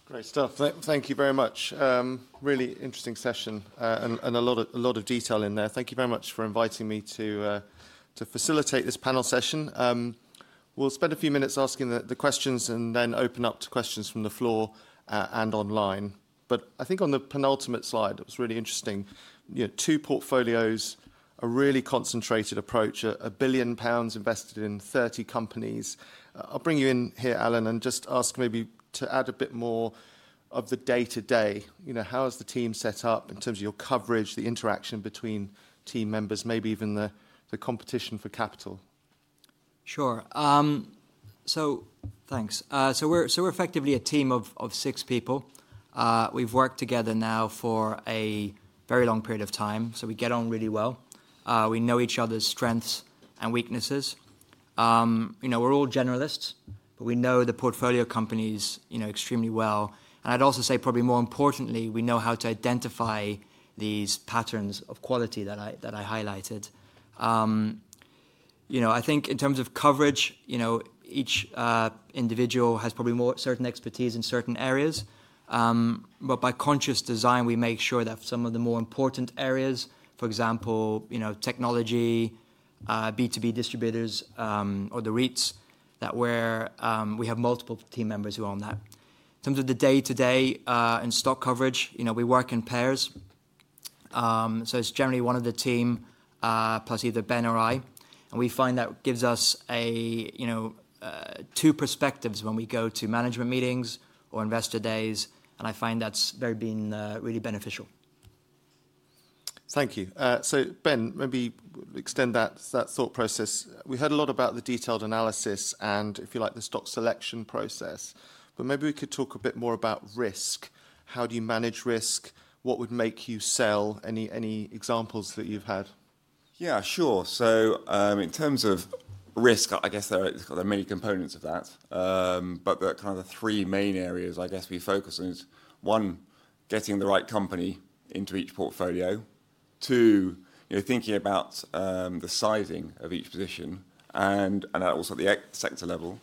Great stuff. Thank you very much. Really interesting session and a lot of detail in there. Thank you very much for inviting me to facilitate this panel session. We'll spend a few minutes asking the questions and then open up to questions from the floor and online. I think on the penultimate slide, it was really interesting. Two portfolios, a really concentrated approach, 1 billion pounds invested in 30 companies. I'll bring you in here, Alan, and just ask maybe to add a bit more of the day-to-day. How is the team set up in terms of your coverage, the interaction between team members, maybe even the competition for capital? Sure. Thanks. We're effectively a team of six people. We've worked together now for a very long period of time. We get on really well. We know each other's strengths and weaknesses. We're all generalists, but we know the portfolio companies extremely well. I'd also say, probably more importantly, we know how to identify these patterns of quality that I highlighted. I think in terms of coverage, each individual has probably more certain expertise in certain areas. By conscious design, we make sure that some of the more important areas, for example, technology, B2B distributors, or the REITs, we have multiple team members who own that. In terms of the day-to-day and stock coverage, we work in pairs. It's generally one of the team plus either Ben or I. We find that gives us two perspectives when we go to management meetings or investor days. I find that's really been beneficial. Thank you. So Ben, maybe extend that thought process. We heard a lot about the detailed analysis and, if you like, the stock selection process. Maybe we could talk a bit more about risk. How do you manage risk? What would make you sell? Any examples that you've had? Yeah, sure. In terms of risk, I guess there are many components of that. The kind of three main areas I guess we focus on is, one, getting the right company into each portfolio. Two, thinking about the sizing of each position and also at the sector level.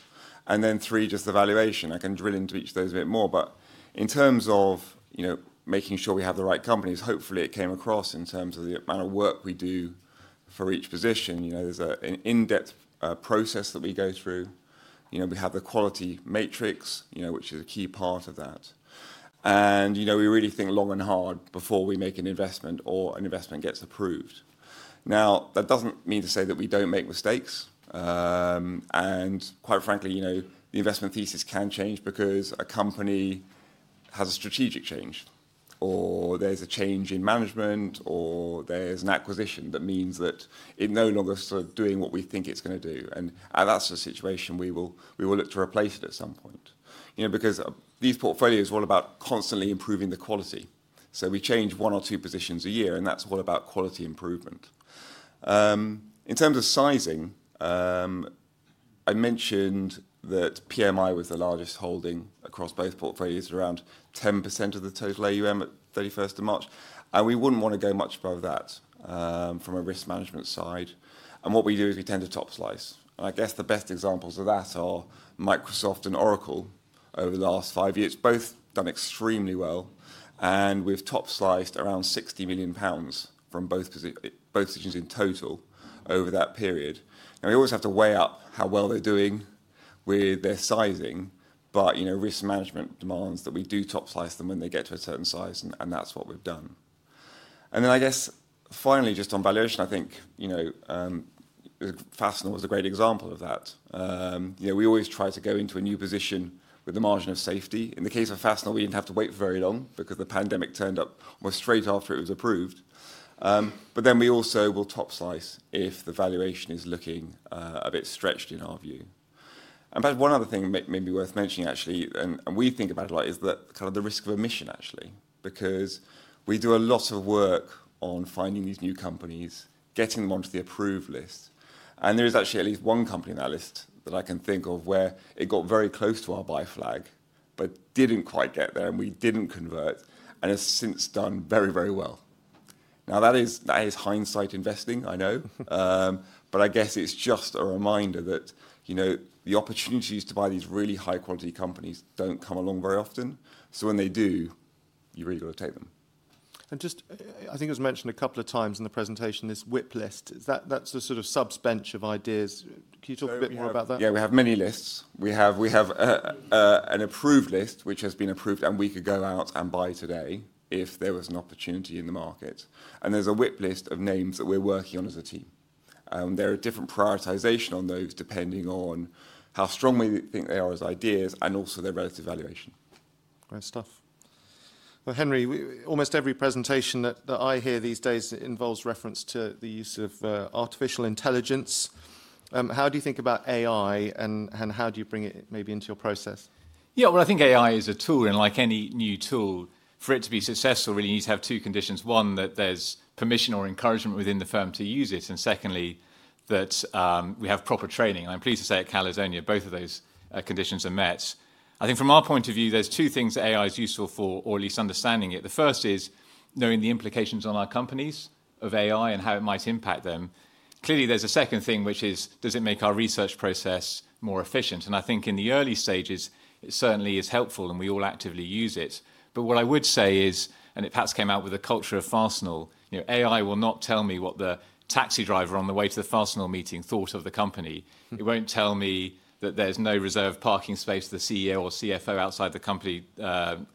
Three, just the valuation. I can drill into each of those a bit more. In terms of making sure we have the right companies, hopefully it came across in terms of the amount of work we do for each position. There's an in-depth process that we go through. We have the quality matrix, which is a key part of that. We really think long and hard before we make an investment or an investment gets approved. That does not mean to say that we do not make mistakes. Quite frankly, the investment thesis can change because a company has a strategic change, or there is a change in management, or there is an acquisition that means that it no longer is sort of doing what we think it is going to do. That is a situation we will look to replace it at some point. These portfolios are all about constantly improving the quality. We change one or two positions a year, and that is all about quality improvement. In terms of sizing, I mentioned that PMI was the largest holding across both portfolios, around 10% of the total AUM at 31st of March. We would not want to go much above that from a risk management side. What we do is we tend to top slice. I guess the best examples of that are Microsoft and Oracle over the last five years. Both have done extremely well. We have top sliced around 60 million pounds from both positions in total over that period. We always have to weigh up how well they are doing with their sizing. Risk management demands that we do top slice them when they get to a certain size, and that is what we have done. I guess, finally, just on valuation, I think Fastenal was a great example of that. We always try to go into a new position with the margin of safety. In the case of Fastenal, we did not have to wait very long because the pandemic turned up straight after it was approved. We also will top slice if the valuation is looking a bit stretched in our view. One other thing maybe worth mentioning, actually, and we think about a lot, is the kind of the risk of omission, actually, because we do a lot of work on finding these new companies, getting them onto the approved list. There is actually at least one company in that list that I can think of where it got very close to our buy flag, but did not quite get there, and we did not convert, and has since done very, very well. That is hindsight investing, I know. I guess it's just a reminder that the opportunities to buy these really high-quality companies don't come along very often. When they do, you really got to take them. I think it was mentioned a couple of times in the presentation, this whip list. That's the sort of subbench of ideas. Can you talk a bit more about that? Yeah, we have many lists. We have an approved list, which has been approved, and we could go out and buy today if there was an opportunity in the market. There's a whip list of names that we're working on as a team. There are different prioritizations on those depending on how strong we think they are as ideas and also their relative valuation. Great stuff. Henry, almost every presentation that I hear these days involves reference to the use of artificial intelligence. How do you think about AI, and how do you bring it maybe into your process? Yeah, I think AI is a tool, and like any new tool, for it to be successful, it really needs to have two conditions. One, that there's permission or encouragement within the firm to use it. Secondly, that we have proper training. I'm pleased to say at Caledonia, both of those conditions are met. I think from our point of view, there are two things that AI is useful for, or at least understanding it. The first is knowing the implications on our companies of AI and how it might impact them. Clearly, there's a second thing, which is, does it make our research process more efficient? I think in the early stages, it certainly is helpful, and we all actively use it. What I would say is, and it perhaps came out with the culture of Fastenal, AI will not tell me what the taxi driver on the way to the Fastenal meeting thought of the company. It will not tell me that there is no reserve parking space for the CEO or CFO outside the company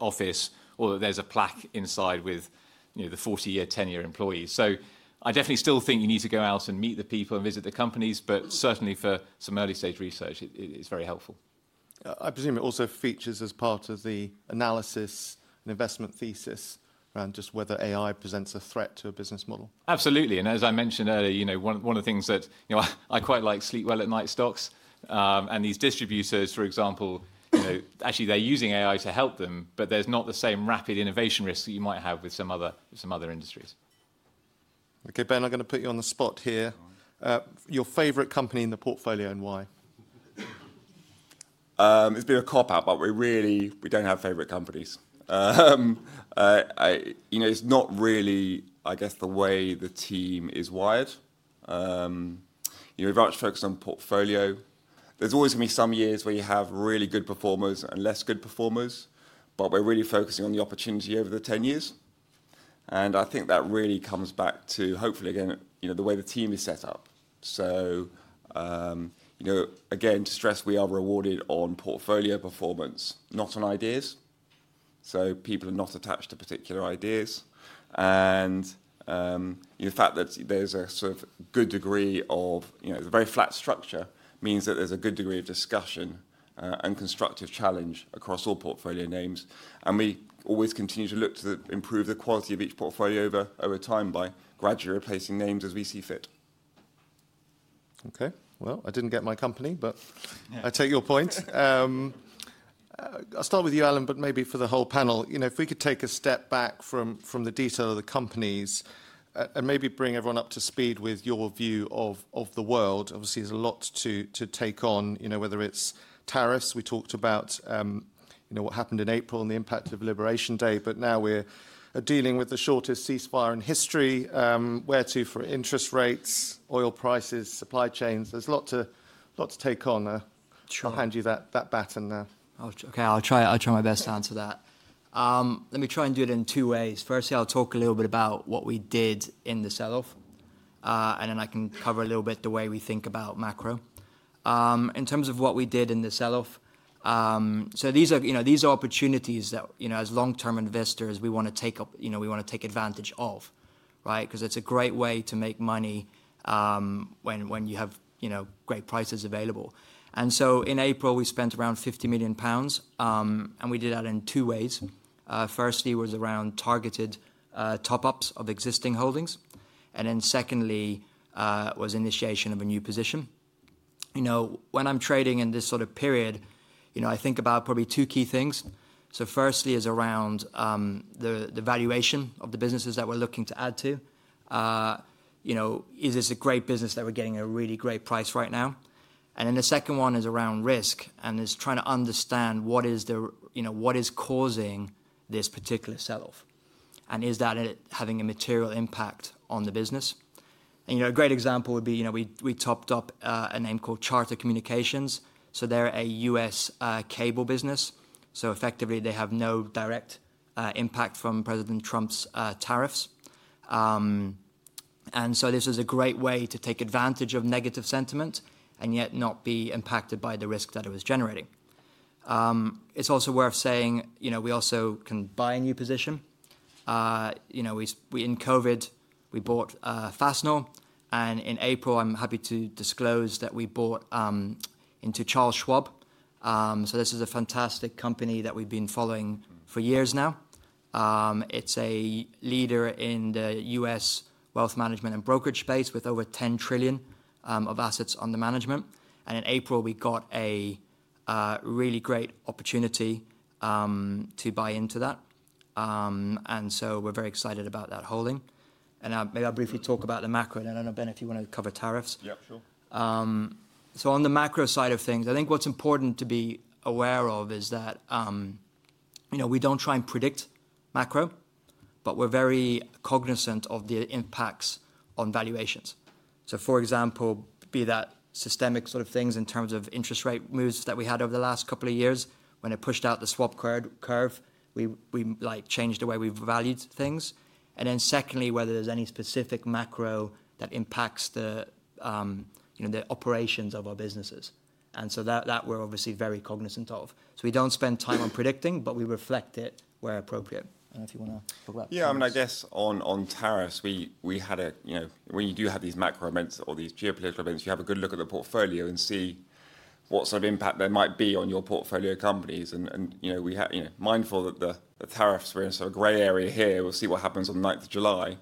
office, or that there is a plaque inside with the 40-year, 10-year employees. I definitely still think you need to go out and meet the people and visit the companies, but certainly for some early-stage research, it is very helpful. I presume it also features as part of the analysis and investment thesis around just whether AI presents a threat to a business model. Absolutely. As I mentioned earlier, one of the things that I quite like is sleep well at night stocks, and these distributors, for example, actually, they're using AI to help them, but there's not the same rapid innovation risk that you might have with some other industries. Okay, Ben, I'm going to put you on the spot here. Your favorite company in the portfolio and why? It's a bit of a cop-out, but we don't have favorite companies. It's not really, I guess, the way the team is wired. We've actually focused on portfolio. There's always going to be some years where you have really good performers and less good performers, but we're really focusing on the opportunity over the 10 years. I think that really comes back to, hopefully, again, the way the team is set up. Again, to stress, we are rewarded on portfolio performance, not on ideas. People are not attached to particular ideas. The fact that there's a sort of good degree of a very flat structure means that there's a good degree of discussion and constructive challenge across all portfolio names. We always continue to look to improve the quality of each portfolio over time by gradually replacing names as we see fit. I did not get my company, but I take your point. I will start with you, Alan, but maybe for the whole panel, if we could take a step back from the detail of the companies and maybe bring everyone up to speed with your view of the world. Obviously, there's a lot to take on, whether it's tariffs. We talked about what happened in April and the impact of Liberation Day, but now we're dealing with the shortest ceasefire in history. Where to for interest rates, oil prices, supply chains? There's a lot to take on. I'll hand you that baton now. Okay, I'll try my best to answer that. Let me try and do it in two ways. Firstly, I'll talk a little bit about what we did in the sell-off, and then I can cover a little bit the way we think about macro. In terms of what we did in the sell-off, these are opportunities that, as long-term investors, we want to take up. We want to take advantage of, right? Because it's a great way to make money when you have great prices available. In April, we spent 50 million pounds, and we did that in two ways. Firstly was around targeted top-ups of existing holdings. Then secondly was initiation of a new position. When I'm trading in this sort of period, I think about probably two key things. Firstly is around the valuation of the businesses that we're looking to add to. Is this a great business that we're getting a really great price right now? The second one is around risk and is trying to understand what is causing this particular sell-off and is that having a material impact on the business? A great example would be we topped up a name called Charter Communications. They're a US cable business. Effectively, they have no direct impact from President Trump's tariffs. This is a great way to take advantage of negative sentiment and yet not be impacted by the risk that it was generating. It's also worth saying we also can buy a new position. In COVID, we bought Fastenal. In April, I'm happy to disclose that we bought into Charles Schwab. This is a fantastic company that we've been following for years now. It's a leader in the U.S. wealth management and brokerage space with over $10 trillion of assets under management. In April, we got a really great opportunity to buy into that. We're very excited about that holding. Maybe I'll briefly talk about the macro. I don't know, Ben, if you want to cover tariffs. Yeah, sure. On the macro side of things, I think what's important to be aware of is that we don't try and predict macro, but we're very cognizant of the impacts on valuations. For example, be that systemic sort of things in terms of interest rate moves that we had over the last couple of years when it pushed out the swap curve, we changed the way we valued things. Then secondly, whether there's any specific macro that impacts the operations of our businesses. That we're obviously very cognizant of. We don't spend time on predicting, but we reflect it where appropriate. I don't know if you want to talk about that. Yeah, I mean, I guess on tariffs, when you do have these macro events or these geopolitical events, you have a good look at the portfolio and see what sort of impact there might be on your portfolio companies. We're mindful that the tariffs were in a sort of gray area here. We'll see what happens on the 9th of July.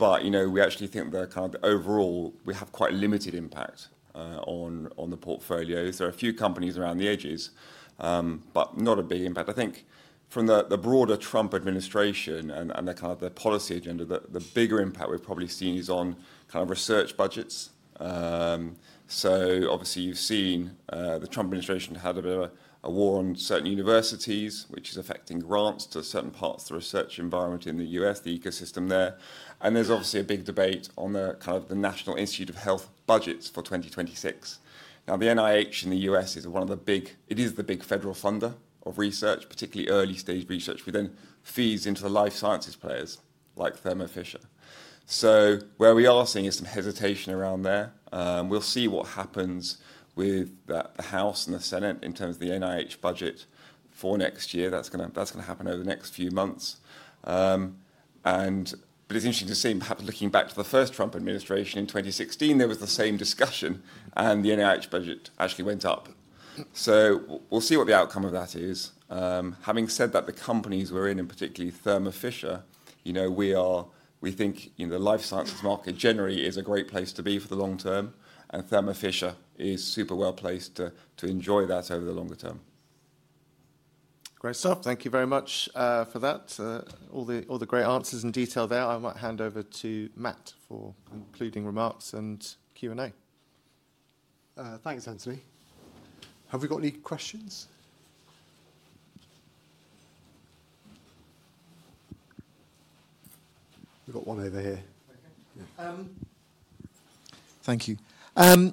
We actually think the kind of overall, we have quite limited impact on the portfolio. There are a few companies around the edges, but not a big impact. I think from the broader Trump administration and the kind of the policy agenda, the bigger impact we've probably seen is on kind of research budgets. Obviously, you've seen the Trump administration had a bit of a war on certain universities, which is affecting grants to certain parts of the research environment in the U.S., the ecosystem there. There's obviously a big debate on the kind of the National Institute of Health budgets for 2026. Now, the NIH in the U.S. is one of the big, it is the big federal funder of research, particularly early-stage research, which then feeds into the life sciences players like Thermo Fisher. Where we are seeing is some hesitation around there. We'll see what happens with the House and the Senate in terms of the NIH budget for next year. That's going to happen over the next few months. It's interesting to see, perhaps looking back to the first Trump administration in 2016, there was the same discussion, and the NIH budget actually went up. We'll see what the outcome of that is. Having said that, the companies we're in, and particularly Thermo Fisher, we think the life sciences market generally is a great place to be for the long term, and Thermo Fisher is super well placed to enjoy that over the longer term. Great stuff. Thank you very much for that. All the great answers and detail there. I might hand over to Matt for concluding remarks and Q&A. Thanks, Anthony. Have we got any questions? We've got one over here. Thank you.I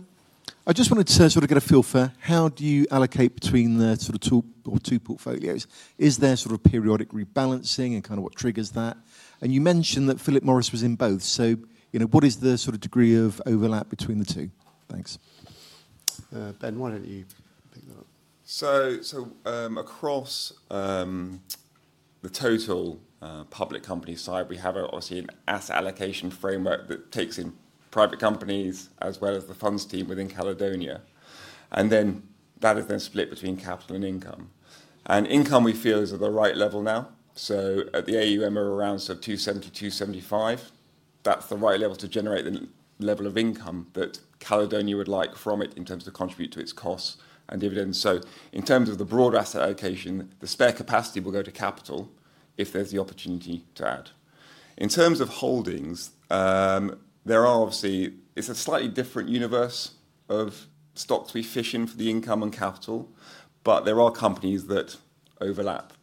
just wanted to sort of get a feel for how do you allocate between the sort of two portfolios? Is there sort of periodic rebalancing and kind of what triggers that? You mentioned that Philip Morris was in both. What is the sort of degree of overlap between the two? Thanks. Ben, why don't you pick that up? Across the total public company side, we have obviously an asset allocation framework that takes in private companies as well as the funds team within Caledonia. That is then split between capital and income. Income, we feel, is at the right level now. At the AUM, we are around 270 million-275 million. That is the right level to generate the level of income that Caledonia would like from it in terms of contribute to its costs and dividends. In terms of the broad asset allocation, the spare capacity will go to capital if there's the opportunity to add. In terms of holdings, there are obviously, it's a slightly different universe of stocks we fish in for the income and capital, but there are companies that overlap.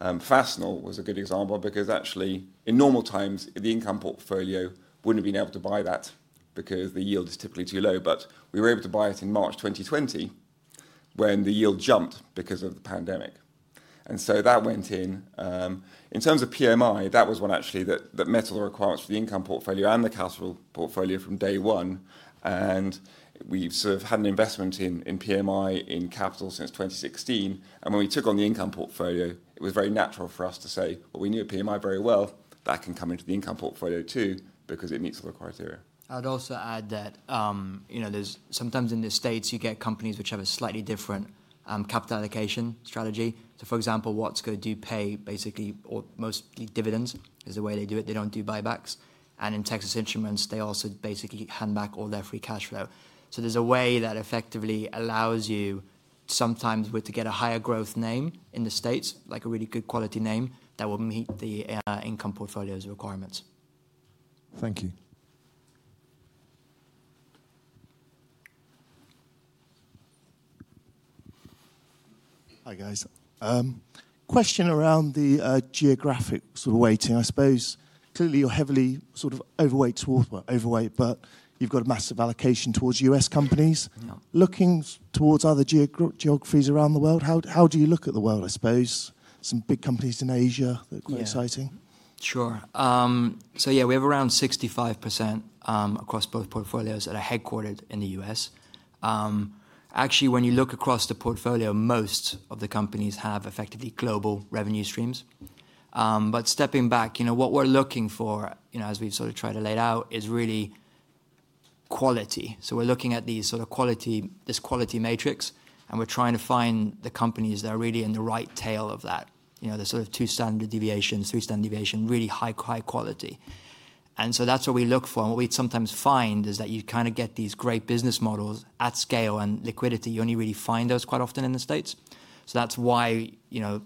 Fastenal was a good example because actually, in normal times, the income portfolio wouldn't have been able to buy that because the yield is typically too low. We were able to buy it in March 2020 when the yield jumped because of the pandemic. That went in. In terms of PMI, that was one actually that met all the requirements for the income portfolio and the capital portfolio from day one. We've sort of had an investment in PMI in capital since 2016. When we took on the income portfolio, it was very natural for us to say, well, we knew PMI very well. That can come into the income portfolio too because it meets all the criteria. I'd also add that sometimes in the States, you get companies which have a slightly different capital allocation strategy. For example, Watts could do pay basically or mostly dividends is the way they do it. They do not do buybacks. In Texas Instruments, they also basically hand back all their free cash flow. There is a way that effectively allows you sometimes to get a higher growth name in the States, like a really good quality name that will meet the income portfolio's requirements. Thank you. Hi, guys. Question around the geographic sort of weighting. I suppose clearly you are heavily sort of overweight, but you have got a massive allocation towards U.S. companies. Looking towards other geographies around the world, how do you look at the world? I suppose some big companies in Asia that are quite exciting. Sure. So yeah, we have around 65% across both portfolios that are headquartered in the U.S. Actually, when you look across the portfolio, most of the companies have effectively global revenue streams. But stepping back, what we're looking for, as we've sort of tried to lay it out, is really quality. So we're looking at this quality matrix, and we're trying to find the companies that are really in the right tail of that, the sort of two-standard deviation, three-standard deviation, really high quality. And so that's what we look for. And what we sometimes find is that you kind of get these great business models at scale and liquidity. You only really find those quite often in the States. That is why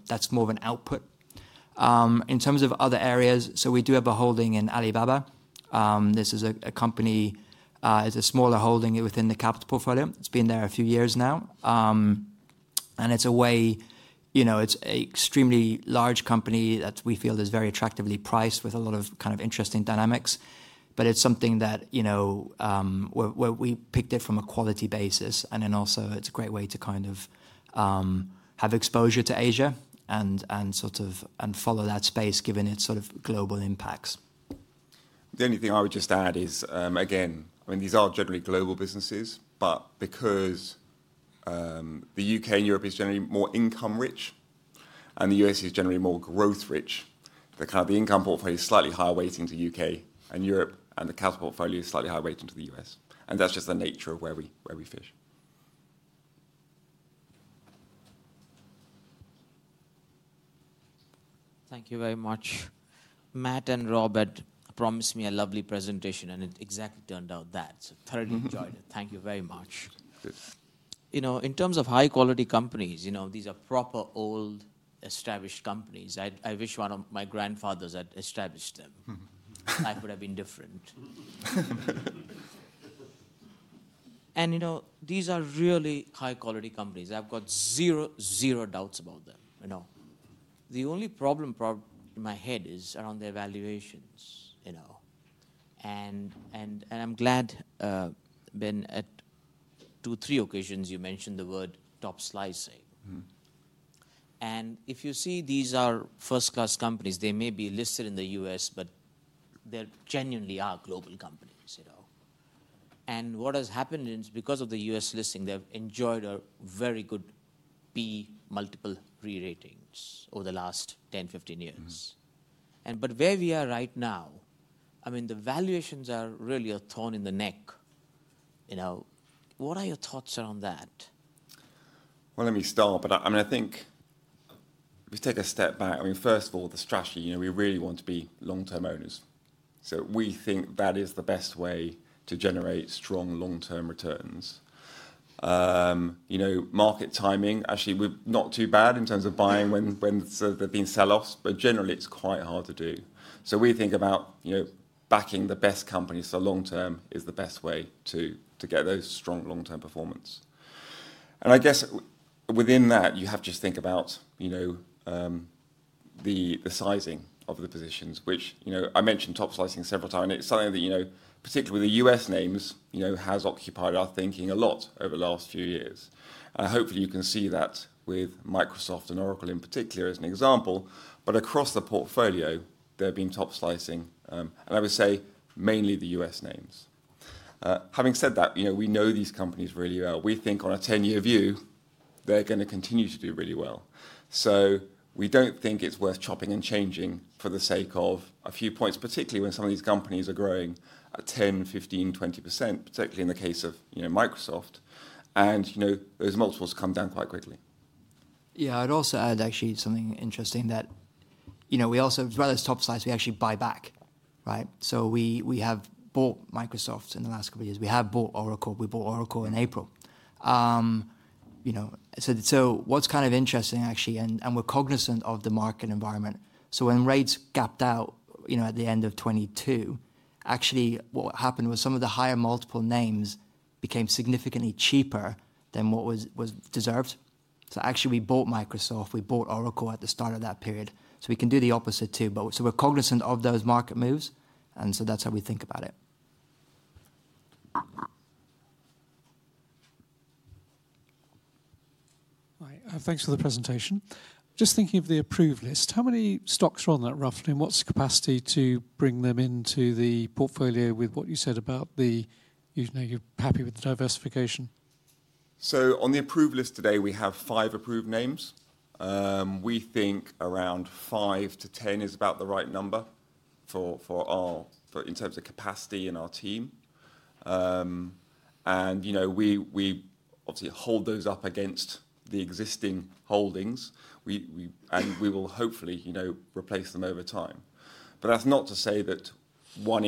that is more of an output. In terms of other areas, we do have a holding in Alibaba. This is a company. It is a smaller holding within the capital portfolio. It has been there a few years now. It is a way, it is an extremely large company that we feel is very attractively priced with a lot of kind of interesting dynamics. It is something that we picked from a quality basis. It is also a great way to have exposure to Asia and sort of follow that space given its global impacts. The only thing I would just add is, again, I mean, these are generally global businesses, but because the U.K. and Europe is generally more income-rich and the U.S. is generally more growth-rich, the kind of the income portfolio is slightly higher weighting to U.K. and Europe, and the capital portfolio is slightly higher weighting to the U.S. That is just the nature of where we fish. Thank you very much. Matt and Robert promised me a lovely presentation, and it exactly turned out that. I thoroughly enjoyed it. Thank you very much. In terms of high-quality companies, these are proper old, established companies. I wish one of my grandfathers had established them. Life would have been different. These are really high-quality companies. I have got zero, zero doubts about them. The only problem in my head is around their valuations. I'm glad, Ben, at two, three occasions you mentioned the word top slicing. If you see these are first-class companies, they may be listed in the U.S., but they genuinely are global companies. What has happened is because of the U.S. listing, they've enjoyed a very good P multiple re-ratings over the last 10 years-15 years. Where we are right now, I mean, the valuations are really a thorn in the neck. What are your thoughts around that? Let me start. I think if we take a step back, first of all, the strategy, we really want to be long-term owners. We think that is the best way to generate strong long-term returns. Market timing, actually, we're not too bad in terms of buying when there have been sell-offs, but generally, it's quite hard to do. We think about backing the best companies for the long term as the best way to get those strong long-term performance. I guess within that, you have to just think about the sizing of the positions, which I mentioned top slicing several times. It is something that, particularly with the U.S. names, has occupied our thinking a lot over the last few years. Hopefully, you can see that with Microsoft and Oracle in particular as an example. Across the portfolio, there have been top slicing, and I would say mainly the U.S. names. Having said that, we know these companies really well. We think on a 10-year view, they are going to continue to do really well. We do not think it is worth chopping and changing for the sake of a few points, particularly when some of these companies are growing at 10%, 15%, 20%, particularly in the case of Microsoft. Those multiples come down quite quickly. I would also add actually something interesting that we also, as well as top slice, we actually buy back, right? We have bought Microsoft in the last couple of years. We have bought Oracle. We bought Oracle in April. What is kind of interesting actually, and we are cognizant of the market environment. When rates gapped out at the end of 2022, what happened was some of the higher multiple names became significantly cheaper than what was deserved. We bought Microsoft. We bought Oracle at the start of that period. We can do the opposite too. We're cognizant of those market moves. That's how we think about it. All right. Thanks for the presentation. Just thinking of the approved list, how many stocks are on that roughly? What's the capacity to bring them into the portfolio with what you said about you're happy with the diversification? On the approved list today, we have five approved names. We think around five-10 is about the right number in terms of capacity in our team. We obviously hold those up against the existing holdings, and we will hopefully replace them over time. That's not to say that one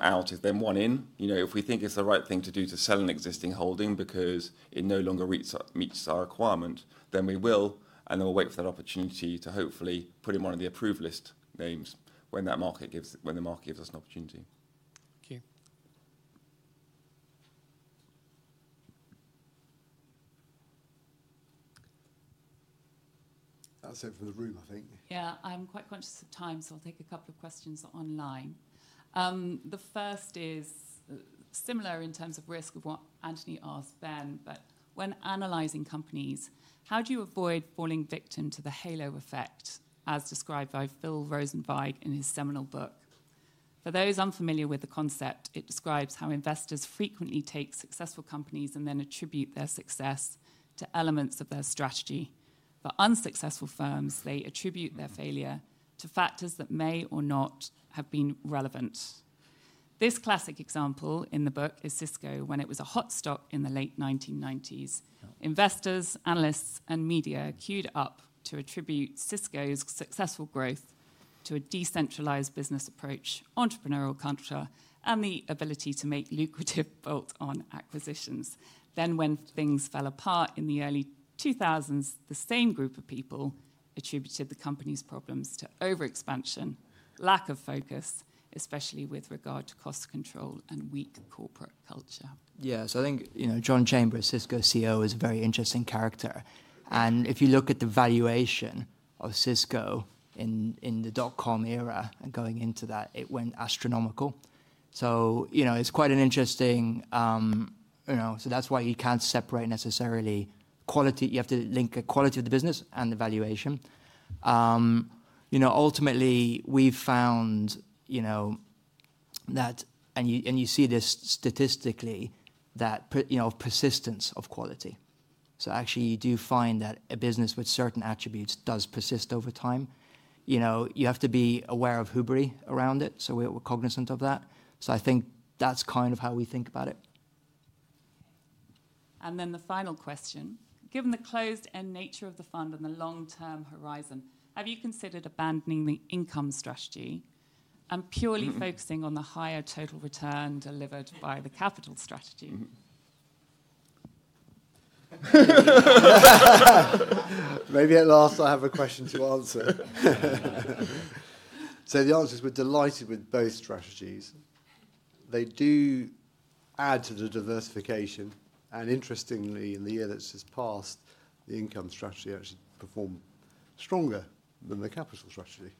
out is then one in. If we think it's the right thing to do to sell an existing holding because it no longer meets our requirement, then we will, and then we'll wait for that opportunity to hopefully put in one of the approved list names when the market gives us an opportunity. Thank you. That's it from the room, I think. Yeah, I'm quite conscious of time, so I'll take a couple of questions online. The first is similar in terms of risk of what Anthony asked Ben, but when analyzing companies, how do you avoid falling victim to the halo effect as described by Phil Rosenzweig in his seminal book? For those unfamiliar with the concept, it describes how investors frequently take successful companies and then attribute their success to elements of their strategy. For unsuccessful firms, they attribute their failure to factors that may or may not have been relevant. This classic example in the book is Cisco when it was a hot stock in the late 1990s. Investors, analysts, and media queued up to attribute Cisco's successful growth to a decentralized business approach, entrepreneurial culture, and the ability to make lucrative bolt-on acquisitions. When things fell apart in the early 2000s, the same group of people attributed the company's problems to overexpansion, lack of focus, especially with regard to cost control and weak corporate culture. Yeah, I think John Chambers, Cisco CEO, is a very interesting character. If you look at the valuation of Cisco in the dot-com era and going into that, it went astronomical. It is quite an interesting, so that is why you cannot separate necessarily quality. You have to link the quality of the business and the valuation. Ultimately, we have found that, and you see this statistically, that persistence of quality. Actually, you do find that a business with certain attributes does persist over time. You have to be aware of hoovery around it, so we're cognizant of that. I think that's kind of how we think about it. The final question. Given the closed-end nature of the fund and the long-term horizon, have you considered abandoning the income strategy and purely focusing on the higher total return delivered by the capital strategy? Maybe at last I have a question to answer. The answer is we're delighted with both strategies. They do add to the diversification. Interestingly, in the year that's just passed, the income strategy actually performed stronger than the capital strategy.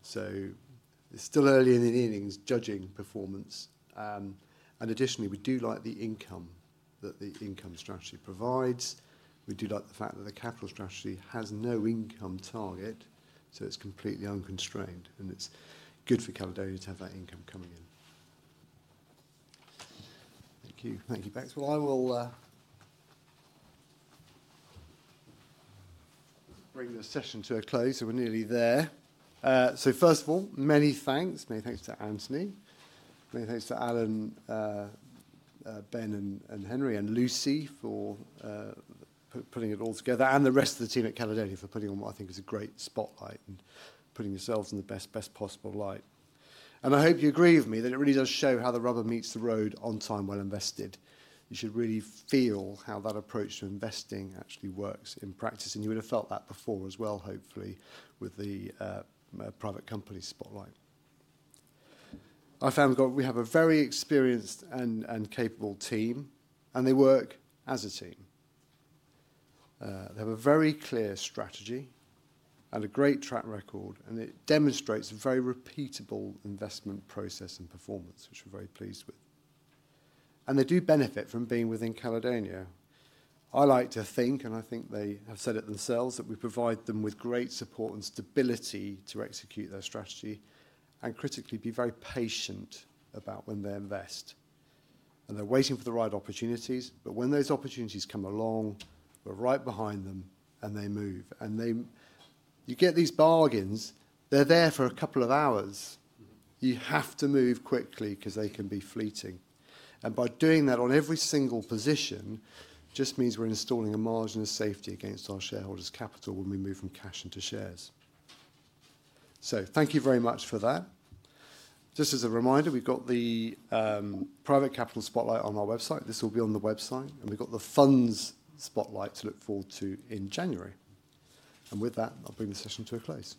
It's still early in the evenings judging performance. Additionally, we do like the income that the income strategy provides. We do like the fact that the capital strategy has no income target, so it is completely unconstrained. It is good for Caledonia to have that income coming in. Thank you. Thank you, Becks. I will bring the session to a close. We are nearly there. First of all, many thanks. Many thanks to Anthony. Many thanks to Alan, Ben, and Henry, and Lucy for putting it all together, and the rest of the team at Caledonia for putting on what I think is a great spotlight and putting yourselves in the best possible light. I hope you agree with me that it really does show how the rubber meets the road on time well invested. You should really feel how that approach to investing actually works in practice. You would have felt that before as well, hopefully, with the private company spotlight. I found we have a very experienced and capable team, and they work as a team. They have a very clear strategy and a great track record, and it demonstrates a very repeatable investment process and performance, which we are very pleased with. They do benefit from being within Caledonia. I like to think, and I think they have said it themselves, that we provide them with great support and stability to execute their strategy and critically be very patient about when they invest. They are waiting for the right opportunities, but when those opportunities come along, we are right behind them, and they move. You get these bargains. They are there for a couple of hours. You have to move quickly because they can be fleeting. By doing that on every single position just means we're installing a margin of safety against our shareholders' capital when we move from cash into shares. Thank you very much for that. Just as a reminder, we've got the Private Capital Spotlight on our website. This will be on the website. We've got the funds spotlight to look forward to in January. With that, I'll bring the session to a close.